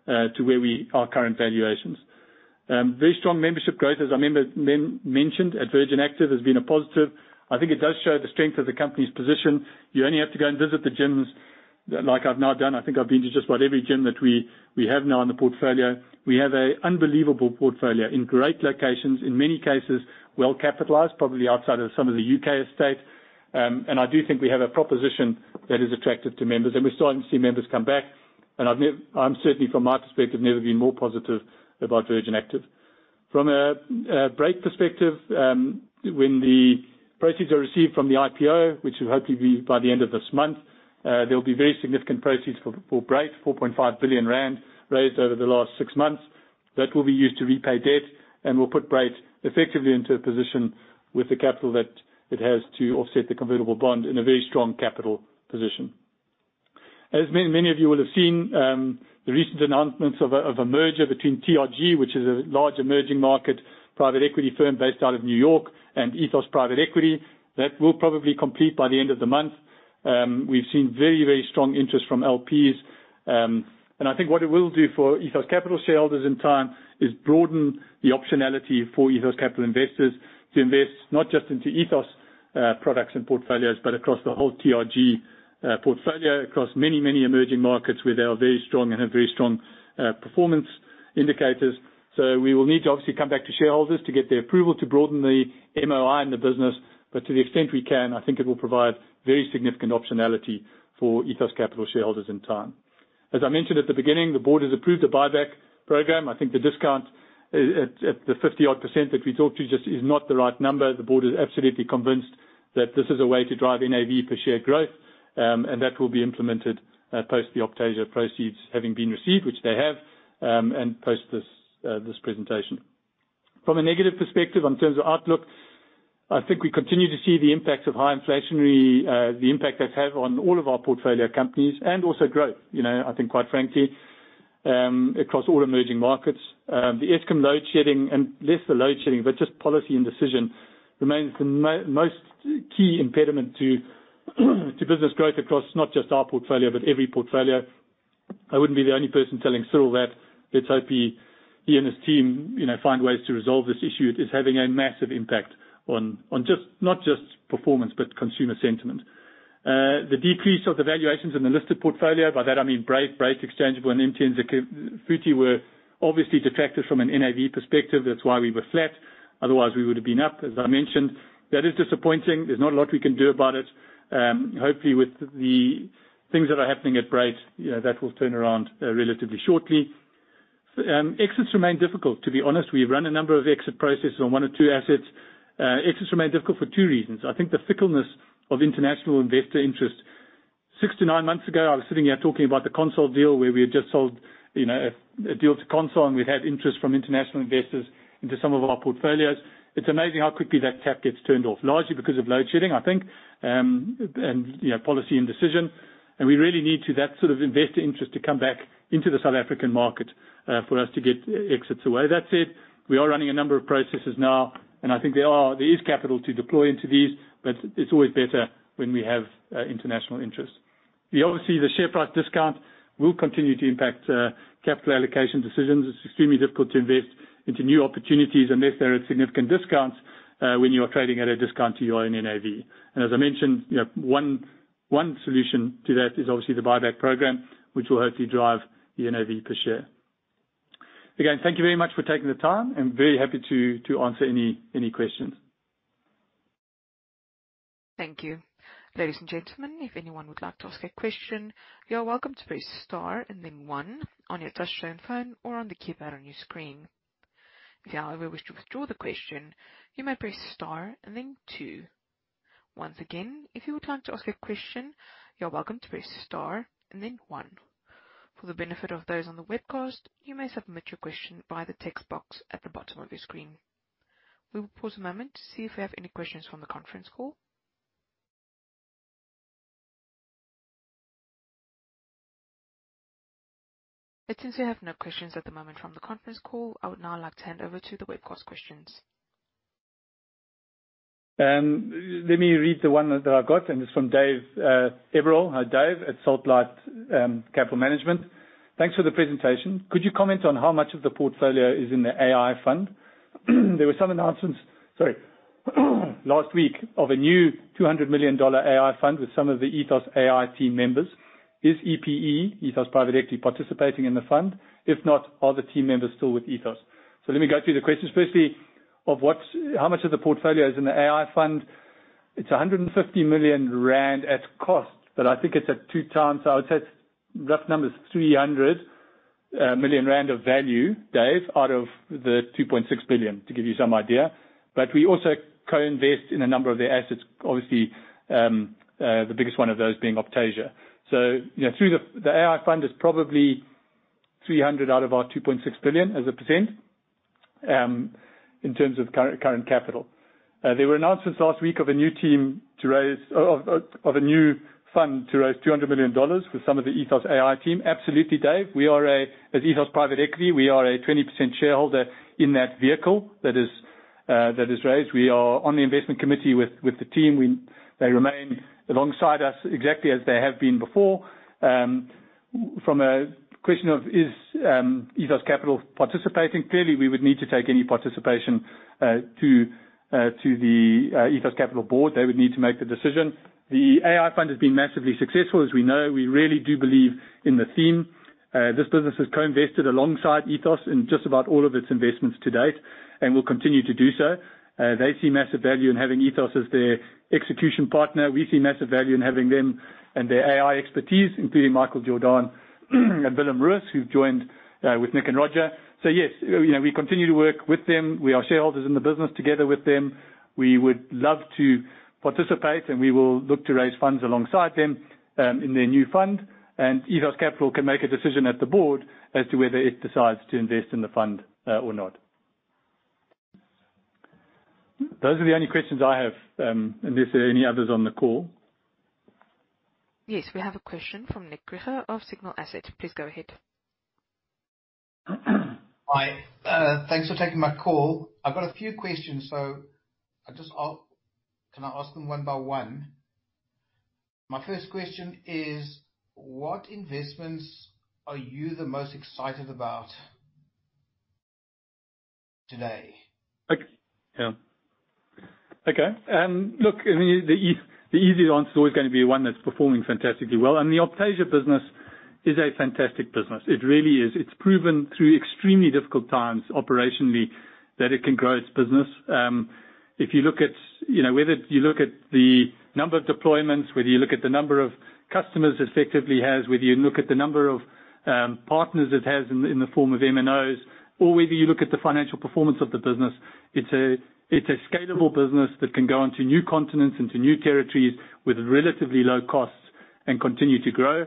to our current valuations. Very strong membership growth, as I mentioned, at Virgin Active has been a positive. I think it does show the strength of the company's position. You only have to go and visit the gyms like I've now done. I think I've been to just about every gym that we have now in the portfolio. We have an unbelievable portfolio in great locations, in many cases, well capitalized, probably outside of some of the U.K. estate. I do think we have a proposition that is attractive to members, and we're starting to see members come back. I'm certainly, from my perspective, never been more positive about Virgin Active. From a Brait perspective, when the proceeds are received from the IPO, which will hopefully be by the end of this month, there will be very significant proceeds for Brait. 4.5 billion rand raised over the last six months. That will be used to repay debt and will put Brait effectively into a position with the capital that it has to offset the convertible bond in a very strong capital position. Many of you will have seen the recent announcements of a merger between TRG, which is a large emerging market private equity firm based out of New York, and EPE Capital Partners. That will probably complete by the end of the month. We've seen very, very strong interest from LPs. I think what it will do for Ethos Capital shareholders in time is broaden the optionality for Ethos Capital investors to invest not just into Ethos products and portfolios, but across the whole TRG portfolio, across many, many emerging markets where they are very strong and have very strong performance indicators. We will need to obviously come back to shareholders to get their approval to broaden the MOI in the business. To the extent we can, I think it will provide very significant optionality for Ethos Capital shareholders in time. I mentioned at the beginning, the board has approved a buyback program. I think the discount at the 50-odd percent that we talked to just is not the right number. The board is absolutely convinced that this is a way to drive NAV per share growth, and that will be implemented post the Optasia proceeds having been received, which they have, and post this presentation. From a negative perspective, in terms of outlook, I think we continue to see the impact of high inflationary, the impact that's had on all of our portfolio companies and also growth. I think, quite frankly, across all emerging markets. The Eskom load shedding, and less the load shedding, but just policy indecision remains the most key impediment to business growth across not just our portfolio, but every portfolio. I wouldn't be the only person telling Cyril that. Let's hope he and his team find ways to resolve this issue. It is having a massive impact on not just performance, but consumer sentiment. The decrease of the valuations in the listed portfolio, by that I mean Brait Exchangeable, and MTN Zakhele Futhi were obviously detracted from an NAV perspective. That's why we were flat. Otherwise, we would have been up, as I mentioned. That is disappointing. There's not a lot we can do about it. Hopefully, with the things that are happening at Brait, that will turn around relatively shortly. Exits remain difficult, to be honest. We've run a number of exit processes on one or two assets. Exits remain difficult for two reasons. I think the fickleness of international investor interest. Six to nine months ago, I was sitting here talking about the Consol deal where we had just sold a deal to Consol, and we had interest from international investors into some of our portfolios. It's amazing how quick [inaudible] largely because of load shedding, I think, and policy in decision. We really need that sort of investor interest to come back into the South African market for us to get exits away. That said, we are running a number of processes now, and I think there is capital to deploy into these, but it's always better when we have international interest. Obviously, the share price discount will continue to impact capital allocation decisions. It's extremely difficult to invest into new opportunities unless there are significant discounts. When you are trading at a discount to your own NAV. As I mentioned, one solution to that is obviously the buyback program, which will hopefully drive the NAV per share. Again, thank you very much for taking the time, and very happy to answer any questions. Thank you. Ladies and gentlemen, if anyone would like to ask a question, you are welcome to press star and then one on your touch-tone phone or on the keypad on your screen. If you however wish to withdraw the question, you may press star and then two. Once again, if you would like to ask a question, you're welcome to press star and then one. For the benefit of those on the webcast, you may submit your question via the text box at the bottom of your screen. We will pause a moment to see if we have any questions from the conference call. It seems we have no questions at the moment from the conference call. I would now like to hand over to the webcast questions. Let me read the one that I got. It is from David Averill. Hi, David Averill at SaltLight Capital Management. Thanks for the presentation. Could you comment on how much of the portfolio is in the AI fund? There were some announcements last week of a new $200 million AI fund with some of the Ethos AI team members. Is EPE, EPE Capital Partners participating in the fund? If not, are the team members still with Ethos? Let me go through the questions. Firstly, how much of the portfolio is in the AI fund? It is 150 million rand at cost, but I think it is at two times. I would say it is rough numbers, 300 million rand of value, David Averill, out of the 2.6 billion, to give you some idea. We also co-invest in a number of their assets, obviously, the biggest one of those being Optasia. Through the AI fund is probably 300 out of our 2.6 billion as a percent, in terms of current capital. There were announcements last week of a new fund to raise $200 million with some of the Ethos AI team. Absolutely, David Averill. As EPE Capital Partners, we are a 20% shareholder in that vehicle that is raised. We are on the investment committee with the team. They remain alongside us exactly as they have been before. From a question of is Ethos Capital participating? Clearly, we would need to take any participation to the Ethos Capital board. They would need to make the decision. The AI fund has been massively successful, as we know. We really do believe in the theme. This business has co-invested alongside Ethos in just about all of its investments to date and will continue to do so. They see massive value in having Ethos as their execution partner. We see massive value in having them and their AI expertise, including Michael Jordaan and Willem Ruis, who have joined with Nick Griffin and Roger. Yes, we continue to work with them. We are shareholders in the business together with them. We would love to participate. We will look to raise funds alongside them in their new fund. Ethos Capital can make a decision at the board as to whether it decides to invest in the fund or not. Those are the only questions I have, unless there are any others on the call. Yes. We have a question from Nick Griffin of Signal Asset. Please go ahead. Hi. Thanks for taking my call. I've got a few questions. Can I ask them one by one? My first question is: What investments are you the most excited about today? Okay. Look, the easy answer is always going to be one that's performing fantastically well. The Optasia business is a fantastic business. It really is. It's proven through extremely difficult times operationally that it can grow its business. Whether you look at the number of deployments, whether you look at the number of customers it effectively has, whether you look at the number of partners it has in the form of MNOs, or whether you look at the financial performance of the business, it's a scalable business that can go onto new continents, into new territories with relatively low costs and continue to grow.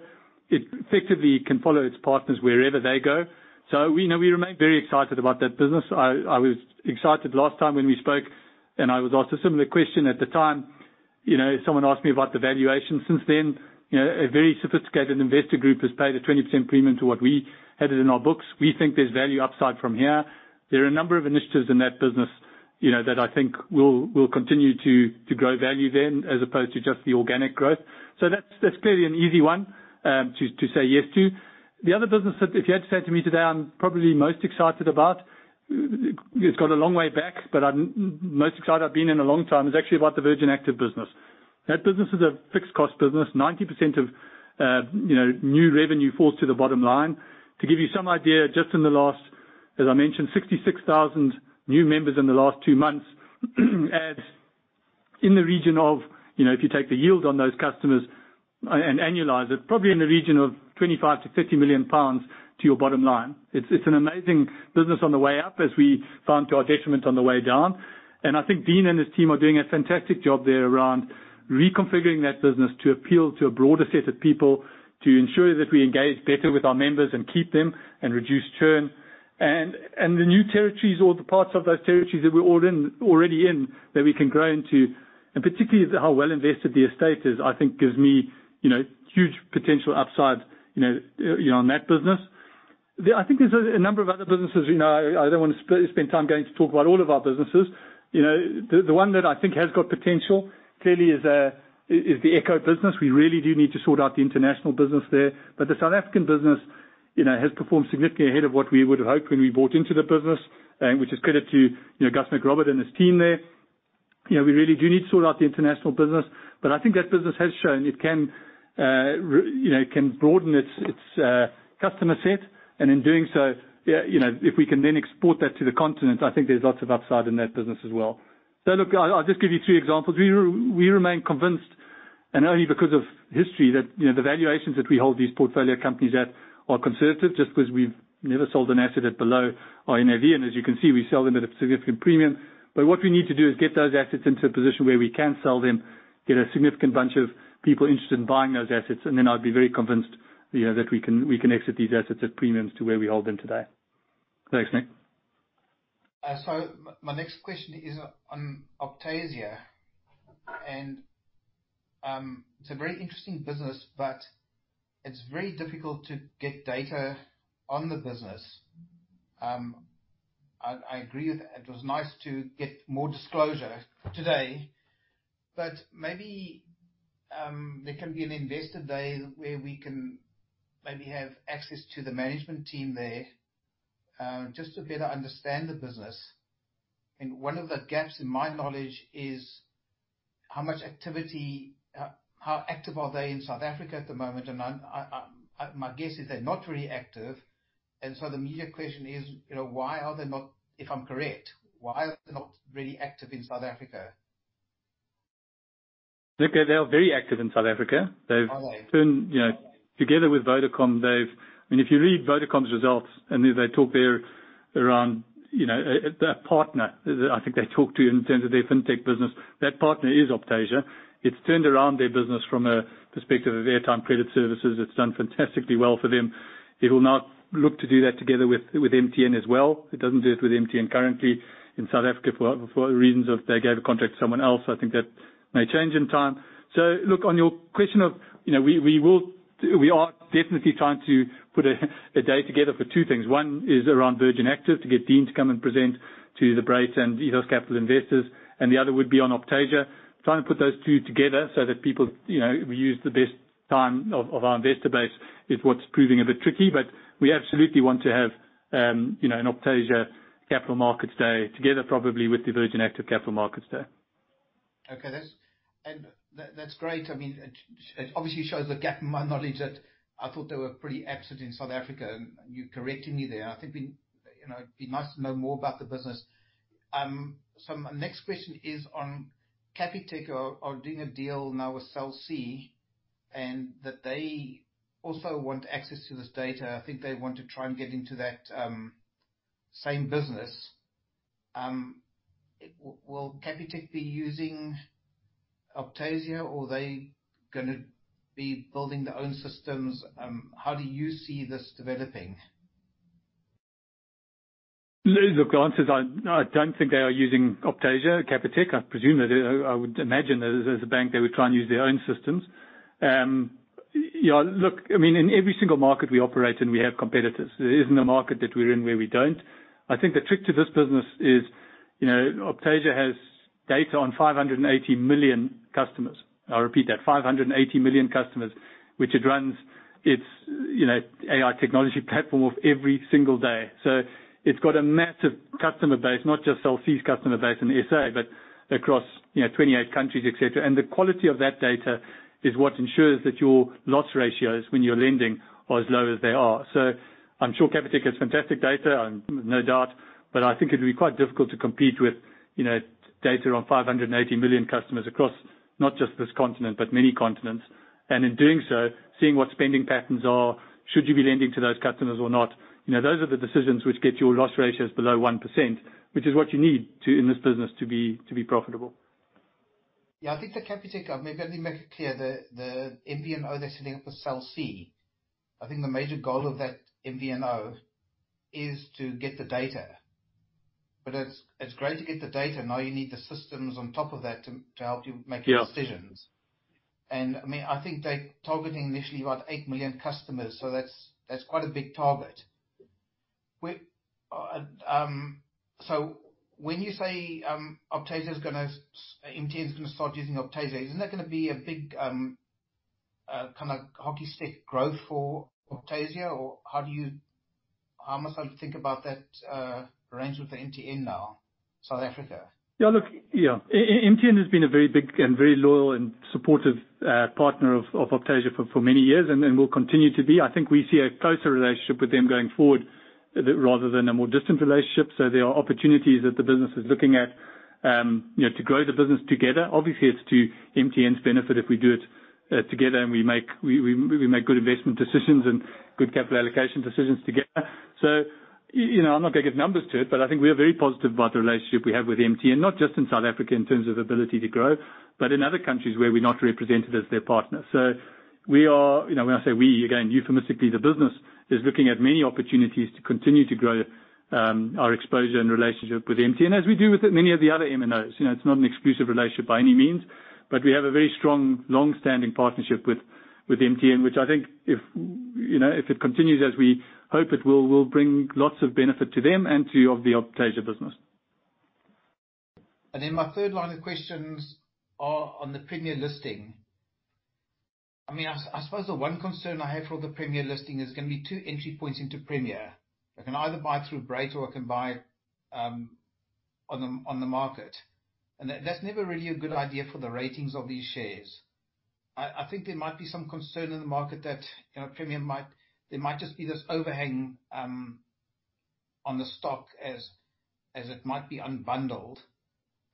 It effectively can follow its partners wherever they go. We remain very excited about that business. I was excited last time when we spoke, and I was asked a similar question at the time. Someone asked me about the valuation. Since then, a very sophisticated investor group has paid a 20% premium to what we had it in our books. We think there's value upside from here. There are a number of initiatives in that business that I think will continue to grow value then, as opposed to just the organic growth. That's clearly an easy one to say yes to. The other business that if you had to say to me today, I'm probably most excited about, it's gone a long way back, but I'm most excited I've been in a long time, is actually about the Virgin Active business. That business is a fixed cost business. 90% of new revenue falls to the bottom line. To give you some idea, as I mentioned, 66,000 new members in the last two months adds, if you take the yield on those customers and annualize it, probably in the region of 25 million-30 million pounds to your bottom line. It's an amazing business on the way up, as we found to our detriment on the way down. I think Dean and his team are doing a fantastic job there around reconfiguring that business to appeal to a broader set of people, to ensure that we engage better with our members and keep them and reduce churn. The new territories or the parts of those territories that we're already in that we can grow into, and particularly how well invested the estate is, I think gives me huge potential upside on that business. I think there's a number of other businesses. I don't want to spend time going to talk about all of our businesses. The one that I think has got potential clearly is the Echo business. We really do need to sort out the international business there. The South African business has performed significantly ahead of what we would have hoped when we bought into the business, which is credit to Angus MacRobert and his team there. We really do need to sort out the international business. I think that business has shown it can broaden its customer set, and in doing so, if we can then export that to the continent, I think there's lots of upside in that business as well. Look, I'll just give you three examples. We remain convinced, only because of history, that the valuations that we hold these portfolio companies at are conservative just because we've never sold an asset at below our NAV. As you can see, we sell them at a significant premium. What we need to do is get those assets into a position where we can sell them, get a significant bunch of people interested in buying those assets, and then I'd be very convinced that we can exit these assets at premiums to where we hold them today. Thanks, Nick Griffin. My next question is on Optasia. It's a very interesting business, but it's very difficult to get data on the business. I agree with that. It was nice to get more disclosure today, but maybe there can be an investor day where we can maybe have access to the management team there, just to better understand the business. One of the gaps in my knowledge is how active are they in South Africa at the moment? My guess is they're not very active. The immediate question is, why are they not, if I'm correct, why are they not very active in South Africa? Okay. They are very active in South Africa. Are they? Together with Vodacom. If you read Vodacom's results, and they talk there around their partner, I think they talk to you in terms of their fintech business. That partner is Optasia. It's turned around their business from a perspective of airtime credit services. It's done fantastically well for them. It will now look to do that together with MTN as well. It doesn't do it with MTN currently in South Africa for reasons of they gave a contract to someone else. I think that may change in time. Look, on your question of, we are definitely trying to put a day together for two things. One is around Virgin Active, to get Dean to come and present to the Brait and Ethos Capital investors, and the other would be on Optasia. Trying to put those two together so that people, we use the best time of our investor base is what's proving a bit tricky. We absolutely want to have an Optasia capital markets day together, probably with the Virgin Active capital markets day. Okay. That's great. It obviously shows the gap in my knowledge that I thought they were pretty absent in South Africa, and you're correcting me there. I think it'd be nice to know more about the business. My next question is on Capitec are doing a deal now with Cell C, and that they also want access to this data. I think they want to try and get into that same business. Will Capitec be using Optasia or are they gonna be building their own systems? How do you see this developing? Look, the answer is I don't think they are using Optasia, Capitec. I presume that, I would imagine as a bank, they would try and use their own systems. Look, in every single market we operate in, we have competitors. There isn't a market that we're in where we don't. I think the trick to this business is Optasia has data on 580 million customers. I'll repeat that. 580 million customers, which it runs its AI technology platform of every single day. It's got a massive customer base, not just Cell C's customer base in SA, but across 28 countries, et cetera. The quality of that data is what ensures that your loss ratios when you're lending are as low as they are. I'm sure Capitec has fantastic data, no doubt, but I think it would be quite difficult to compete with data on 580 million customers across not just this continent, but many continents. In doing so, seeing what spending patterns are, should you be lending to those customers or not? Those are the decisions which get your loss ratios below 1%, which is what you need in this business to be profitable. Yeah. I think for Capitec, maybe I need to make it clear, the MVNO they're setting up for Cell C, I think the major goal of that MVNO is to get the data. It's great to get the data, now you need the systems on top of that to help you make decisions. Yeah. I think they're targeting initially about eight million customers. That's quite a big target. When you say MTN is gonna start using Optasia, isn't there gonna be a big hockey stick growth for Optasia? How am I supposed to think about that arrangement with MTN now, South Africa? Yeah. MTN has been a very big and very loyal and supportive partner of Optasia for many years and will continue to be. I think we see a closer relationship with them going forward rather than a more distant relationship. There are opportunities that the business is looking at to grow the business together. Obviously, it's to MTN's benefit if we do it together and we make good investment decisions and good capital allocation decisions together. I'm not going to give numbers to it, but I think we are very positive about the relationship we have with MTN, not just in South Africa in terms of ability to grow, but in other countries where we're not represented as their partner. We are, when I say we, again, euphemistically, the business is looking at many opportunities to continue to grow our exposure and relationship with MTN, as we do with many of the other MNOs. It's not an exclusive relationship by any means, but we have a very strong, longstanding partnership with MTN, which I think if it continues as we hope it will bring lots of benefit to them and to the Optasia business. My third line of questions are on the Premier listing. I suppose the one concern I have for the Premier listing is there's going to be two entry points into Premier. I can either buy through Brait, or I can buy on the market. That's never really a good idea for the ratings of these shares. I think there might be some concern in the market that there might just be this overhang on the stock as it might be unbundled.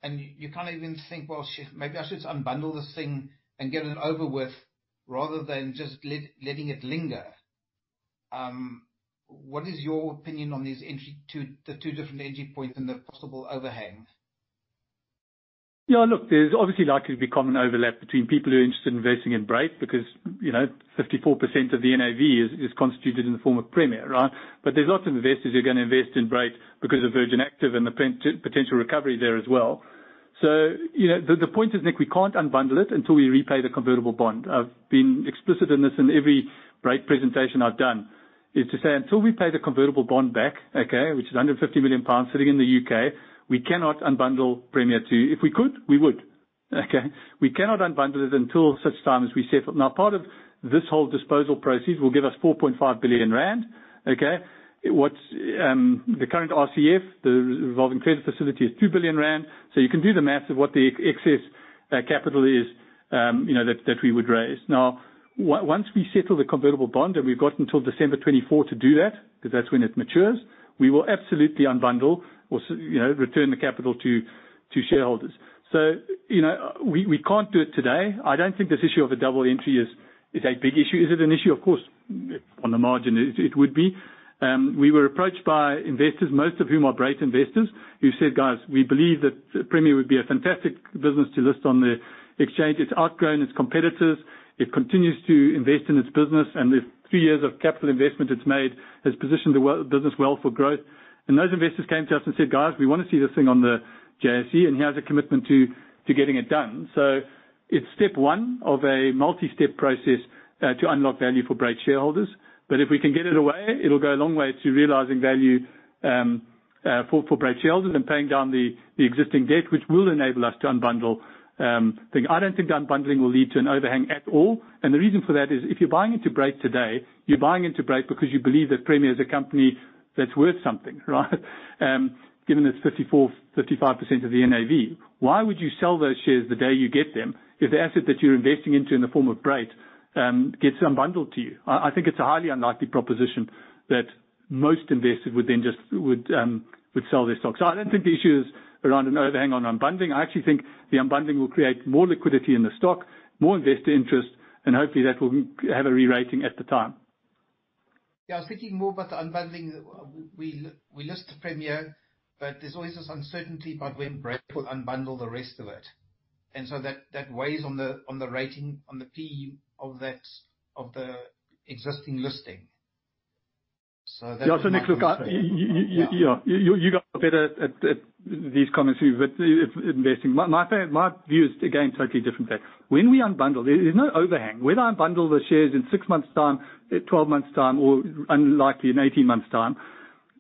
You even think, "Well, maybe I should just unbundle this thing and get it over with, rather than just letting it linger." What is your opinion on the two different entry points and the possible overhang? Yeah, look, there's obviously likely to be common overlap between people who are interested in investing in Brait because, 54% of the NAV is constituted in the form of Premier, right? There's lots of investors who are going to invest in Brait because of Virgin Active and the potential recovery there as well. The point is, Nick Griffin, we can't unbundle it until we repay the convertible bond. I've been explicit in this in every Brait presentation I've done. Is to say, until we pay the convertible bond back, okay? Which is 150 million pounds sitting in the U.K., we cannot unbundle Premier to you. If we could, we would. Okay? We cannot unbundle it until such time as we settle. Now, part of this whole disposal proceeds will give us 4.5 billion rand. Okay? The current RCF, the revolving credit facility, is 2 billion rand. You can do the math of what the excess capital is that we would raise. Now, once we settle the convertible bond, and we've got until December 2024 to do that, because that's when it matures, we will absolutely unbundle or return the capital to shareholders. We can't do it today. I don't think this issue of a double entry is a big issue. Is it an issue? Of course, on the margin, it would be. We were approached by investors, most of whom are Brait investors, who said, "Guys, we believe that Premier would be a fantastic business to list on the exchange. It's outgrown its competitors. It continues to invest in its business, and the three years of capital investment it's made has positioned the business well for growth." Those investors came to us and said, "Guys, we want to see this thing on the JSE," and here's a commitment to getting it done. It's step one of a multi-step process to unlock value for Brait shareholders. If we can get it away, it'll go a long way to realizing value for Brait shareholders and paying down the existing debt, which will enable us to unbundle. I don't think unbundling will lead to an overhang at all. The reason for that is if you're buying into Brait today, you're buying into Brait because you believe that Premier is a company that's worth something, right? Given its 54%, 35% of the NAV. Why would you sell those shares the day you get them if the asset that you're investing into in the form of Brait, gets unbundled to you? I think it's a highly unlikely proposition that most investors would sell their stocks. I don't think the issue is around an overhang on unbundling. I actually think the unbundling will create more liquidity in the stock, more investor interest, and hopefully that will have a re-rating at the time. I was thinking more about the unbundling. We list Premier, but there's always this uncertainty about when Brait will unbundle the rest of it. That weighs on the rating, on the P/E of the existing listing. Yeah. Nick Griffin, look, you got better at these conversations with investing. My view is, again, totally different there. When we unbundle, there's no overhang. We'll unbundle the shares in six months' time, at 12 months' time, or unlikely in 18 months' time.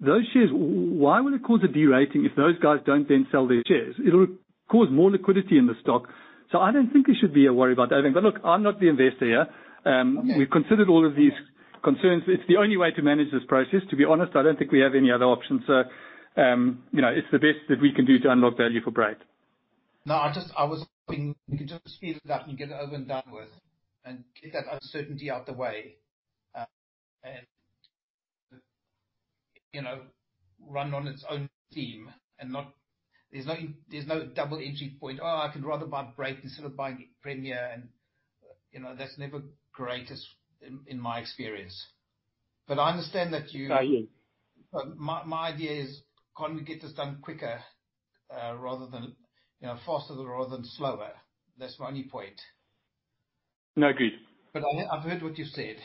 Those shares, why would it cause a de-rating if those guys don't then sell their shares? It'll cause more liquidity in the stock. I don't think we should be worried about that. Look, I'm not the investor here. We've considered all of these concerns. It's the only way to manage this process. To be honest, I don't think we have any other options. It's the best that we can do to unlock value for Brait. No, I was hoping we could just speed it up and get it over and done with and get that uncertainty out the way. Run on its own steam. There's no double entry point. Oh, I could rather buy Brait instead of buying Premier and, that's never great in my experience. I understand that you- I hear you. My idea is, can't we get this done quicker, faster rather than slower? That's my only point. No, agreed. I've heard what you've said.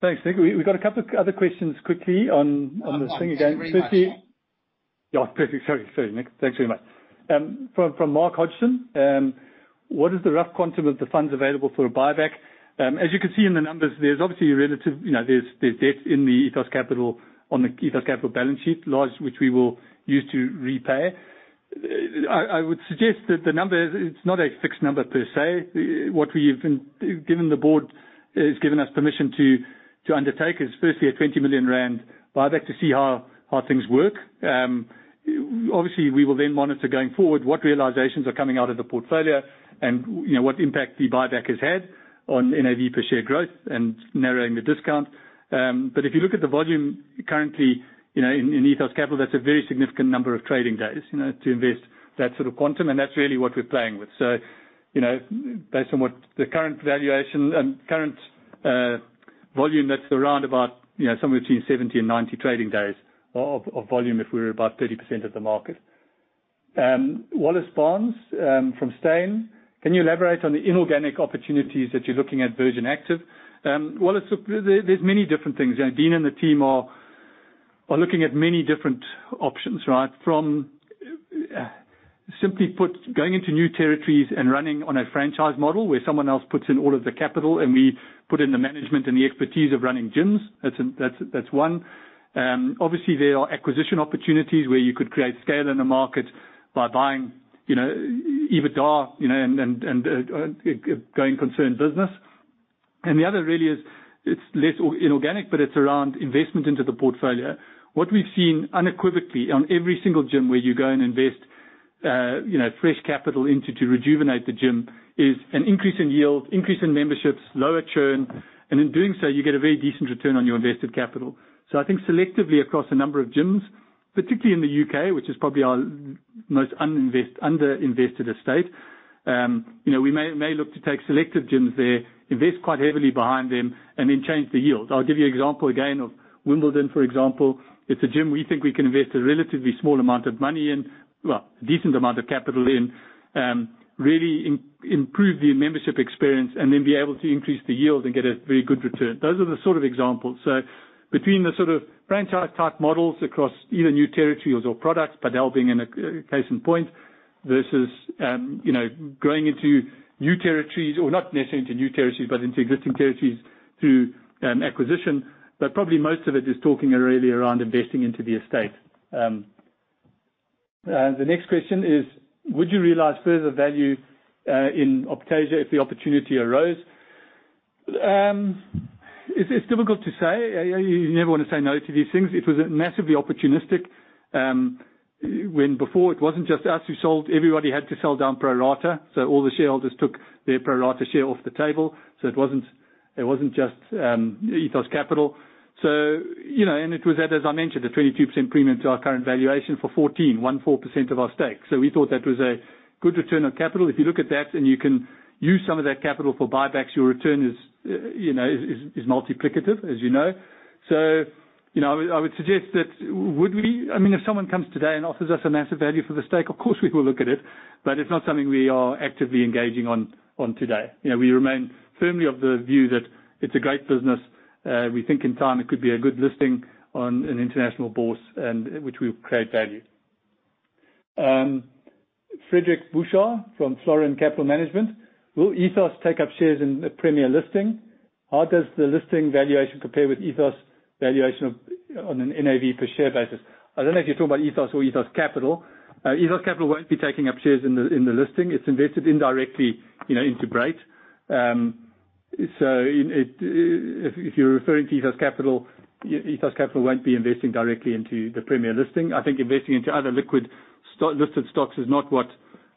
Thanks, Nick Griffin. We've got a couple other questions quickly on this thing again. No, I'm sorry. Very much so. Perfect. Sorry, Nick Griffin. Thanks very much. From Mark Hodgson, "What is the rough quantum of the funds available for a buyback?" As you can see in the numbers, there's obviously relative, there's debt on the Ethos Capital balance sheet, large, which we will use to repay. I would suggest that the number, it's not a fixed number per se. What the board has given us permission to undertake is firstly a 20 million rand buyback to see how things work. Obviously, we will then monitor going forward what realizations are coming out of the portfolio and what impact the buyback has had on NAV per share growth and narrowing the discount. If you look at the volume currently in Ethos Capital, that's a very significant number of trading days, to invest that sort of quantum, and that's really what we're playing with. Based on what the current valuation and current volume, that's around about somewhere between 70 and 90 trading days of volume, if we're about 30% of the market. Wallace Barnes from Steyn, "Can you elaborate on the inorganic opportunities that you're looking at Virgin Active?" Wallace, there's many different things. Dean and the team are looking at many different options, right? Simply put, going into new territories and running on a franchise model where someone else puts in all of the capital and we put in the management and the expertise of running gyms, that's one. Obviously, there are acquisition opportunities where you could create scale in the market by buying EBITDA and growing concerned business. The other really is, it's less inorganic, but it's around investment into the portfolio. What we've seen unequivocally on every single gym where you go and invest fresh capital into to rejuvenate the gym is an increase in yield, increase in memberships, lower churn, and in doing so, you get a very decent return on your invested capital. I think selectively across a number of gyms, particularly in the U.K., which is probably our most under-invested estate, we may look to take selective gyms there, invest quite heavily behind them, and then change the yield. I'll give you an example again of Wimbledon, for example. It's a gym we think we can invest a relatively small amount of money in, well, a decent amount of capital in, really improve the membership experience and then be able to increase the yield and get a very good return. Those are the sort of examples. Between the sort of franchise type models across either new territories or products, Botala being a case in point, versus going into new territories, or not necessarily into new territories, but into existing territories through acquisition. Probably most of it is talking really around investing into the estate. The next question is, would you realize further value in Optasia if the opportunity arose? It is difficult to say. You never want to say no to these things. It was massively opportunistic. When before it was not just us who sold, everybody had to sell down pro rata. All the shareholders took their pro rata share off the table. It was not just Ethos Capital. It was at, as I mentioned, a 22% premium to our current valuation for 14, 14% of our stake. We thought that was a good return on capital. If you look at that and you can use some of that capital for buybacks, your return is multiplicative, as you know. I would suggest that would we? If someone comes today and offers us a massive value for the stake, of course, we will look at it, but it is not something we are actively engaging on today. We remain firmly of the view that it is a great business. We think in time it could be a good listing on an international bourse, which will create value. Frederic Bouchard from Florin Capital Management. Will Ethos take up shares in the Premier listing? How does the listing valuation compare with Ethos valuation on an NAV per share basis? I do not know if you are talking about Ethos or Ethos Capital. Ethos Capital will not be taking up shares in the listing. It is invested indirectly into Brait. If you are referring to Ethos Capital, Ethos Capital will not be investing directly into the Premier listing. I think investing into other liquid listed stocks is not what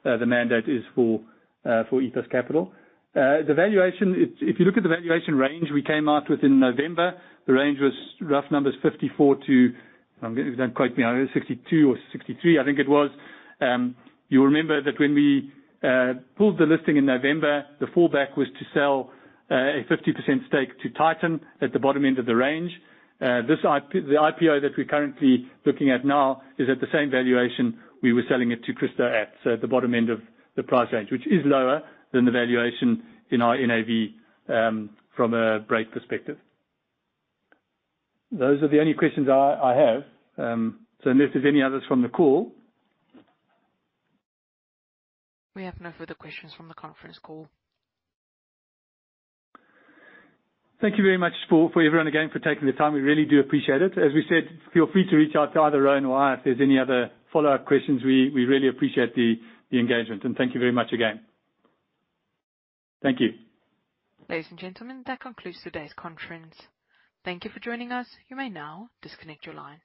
the mandate is for Ethos Capital. The valuation, if you look at the valuation range we came out with in November, the range was rough numbers, 54 to, do not quote me, 62 or 63, I think it was. You remember that when we pulled the listing in November, the fallback was to sell a 50% stake to Titan at the bottom end of the range. The IPO that we are currently looking at now is at the same valuation we were selling it to Crystal at the bottom end of the price range, which is lower than the valuation in our NAV from a Brait perspective. Those are the only questions I have. Unless there is any others from the call. We have no further questions from the conference call. Thank you very much for everyone, again, for taking the time. We really do appreciate it. As we said, feel free to reach out to either Rowan or I if there's any other follow-up questions. We really appreciate the engagement, and thank you very much again. Thank you. Ladies and gentlemen, that concludes today's conference. Thank you for joining us. You may now disconnect your line.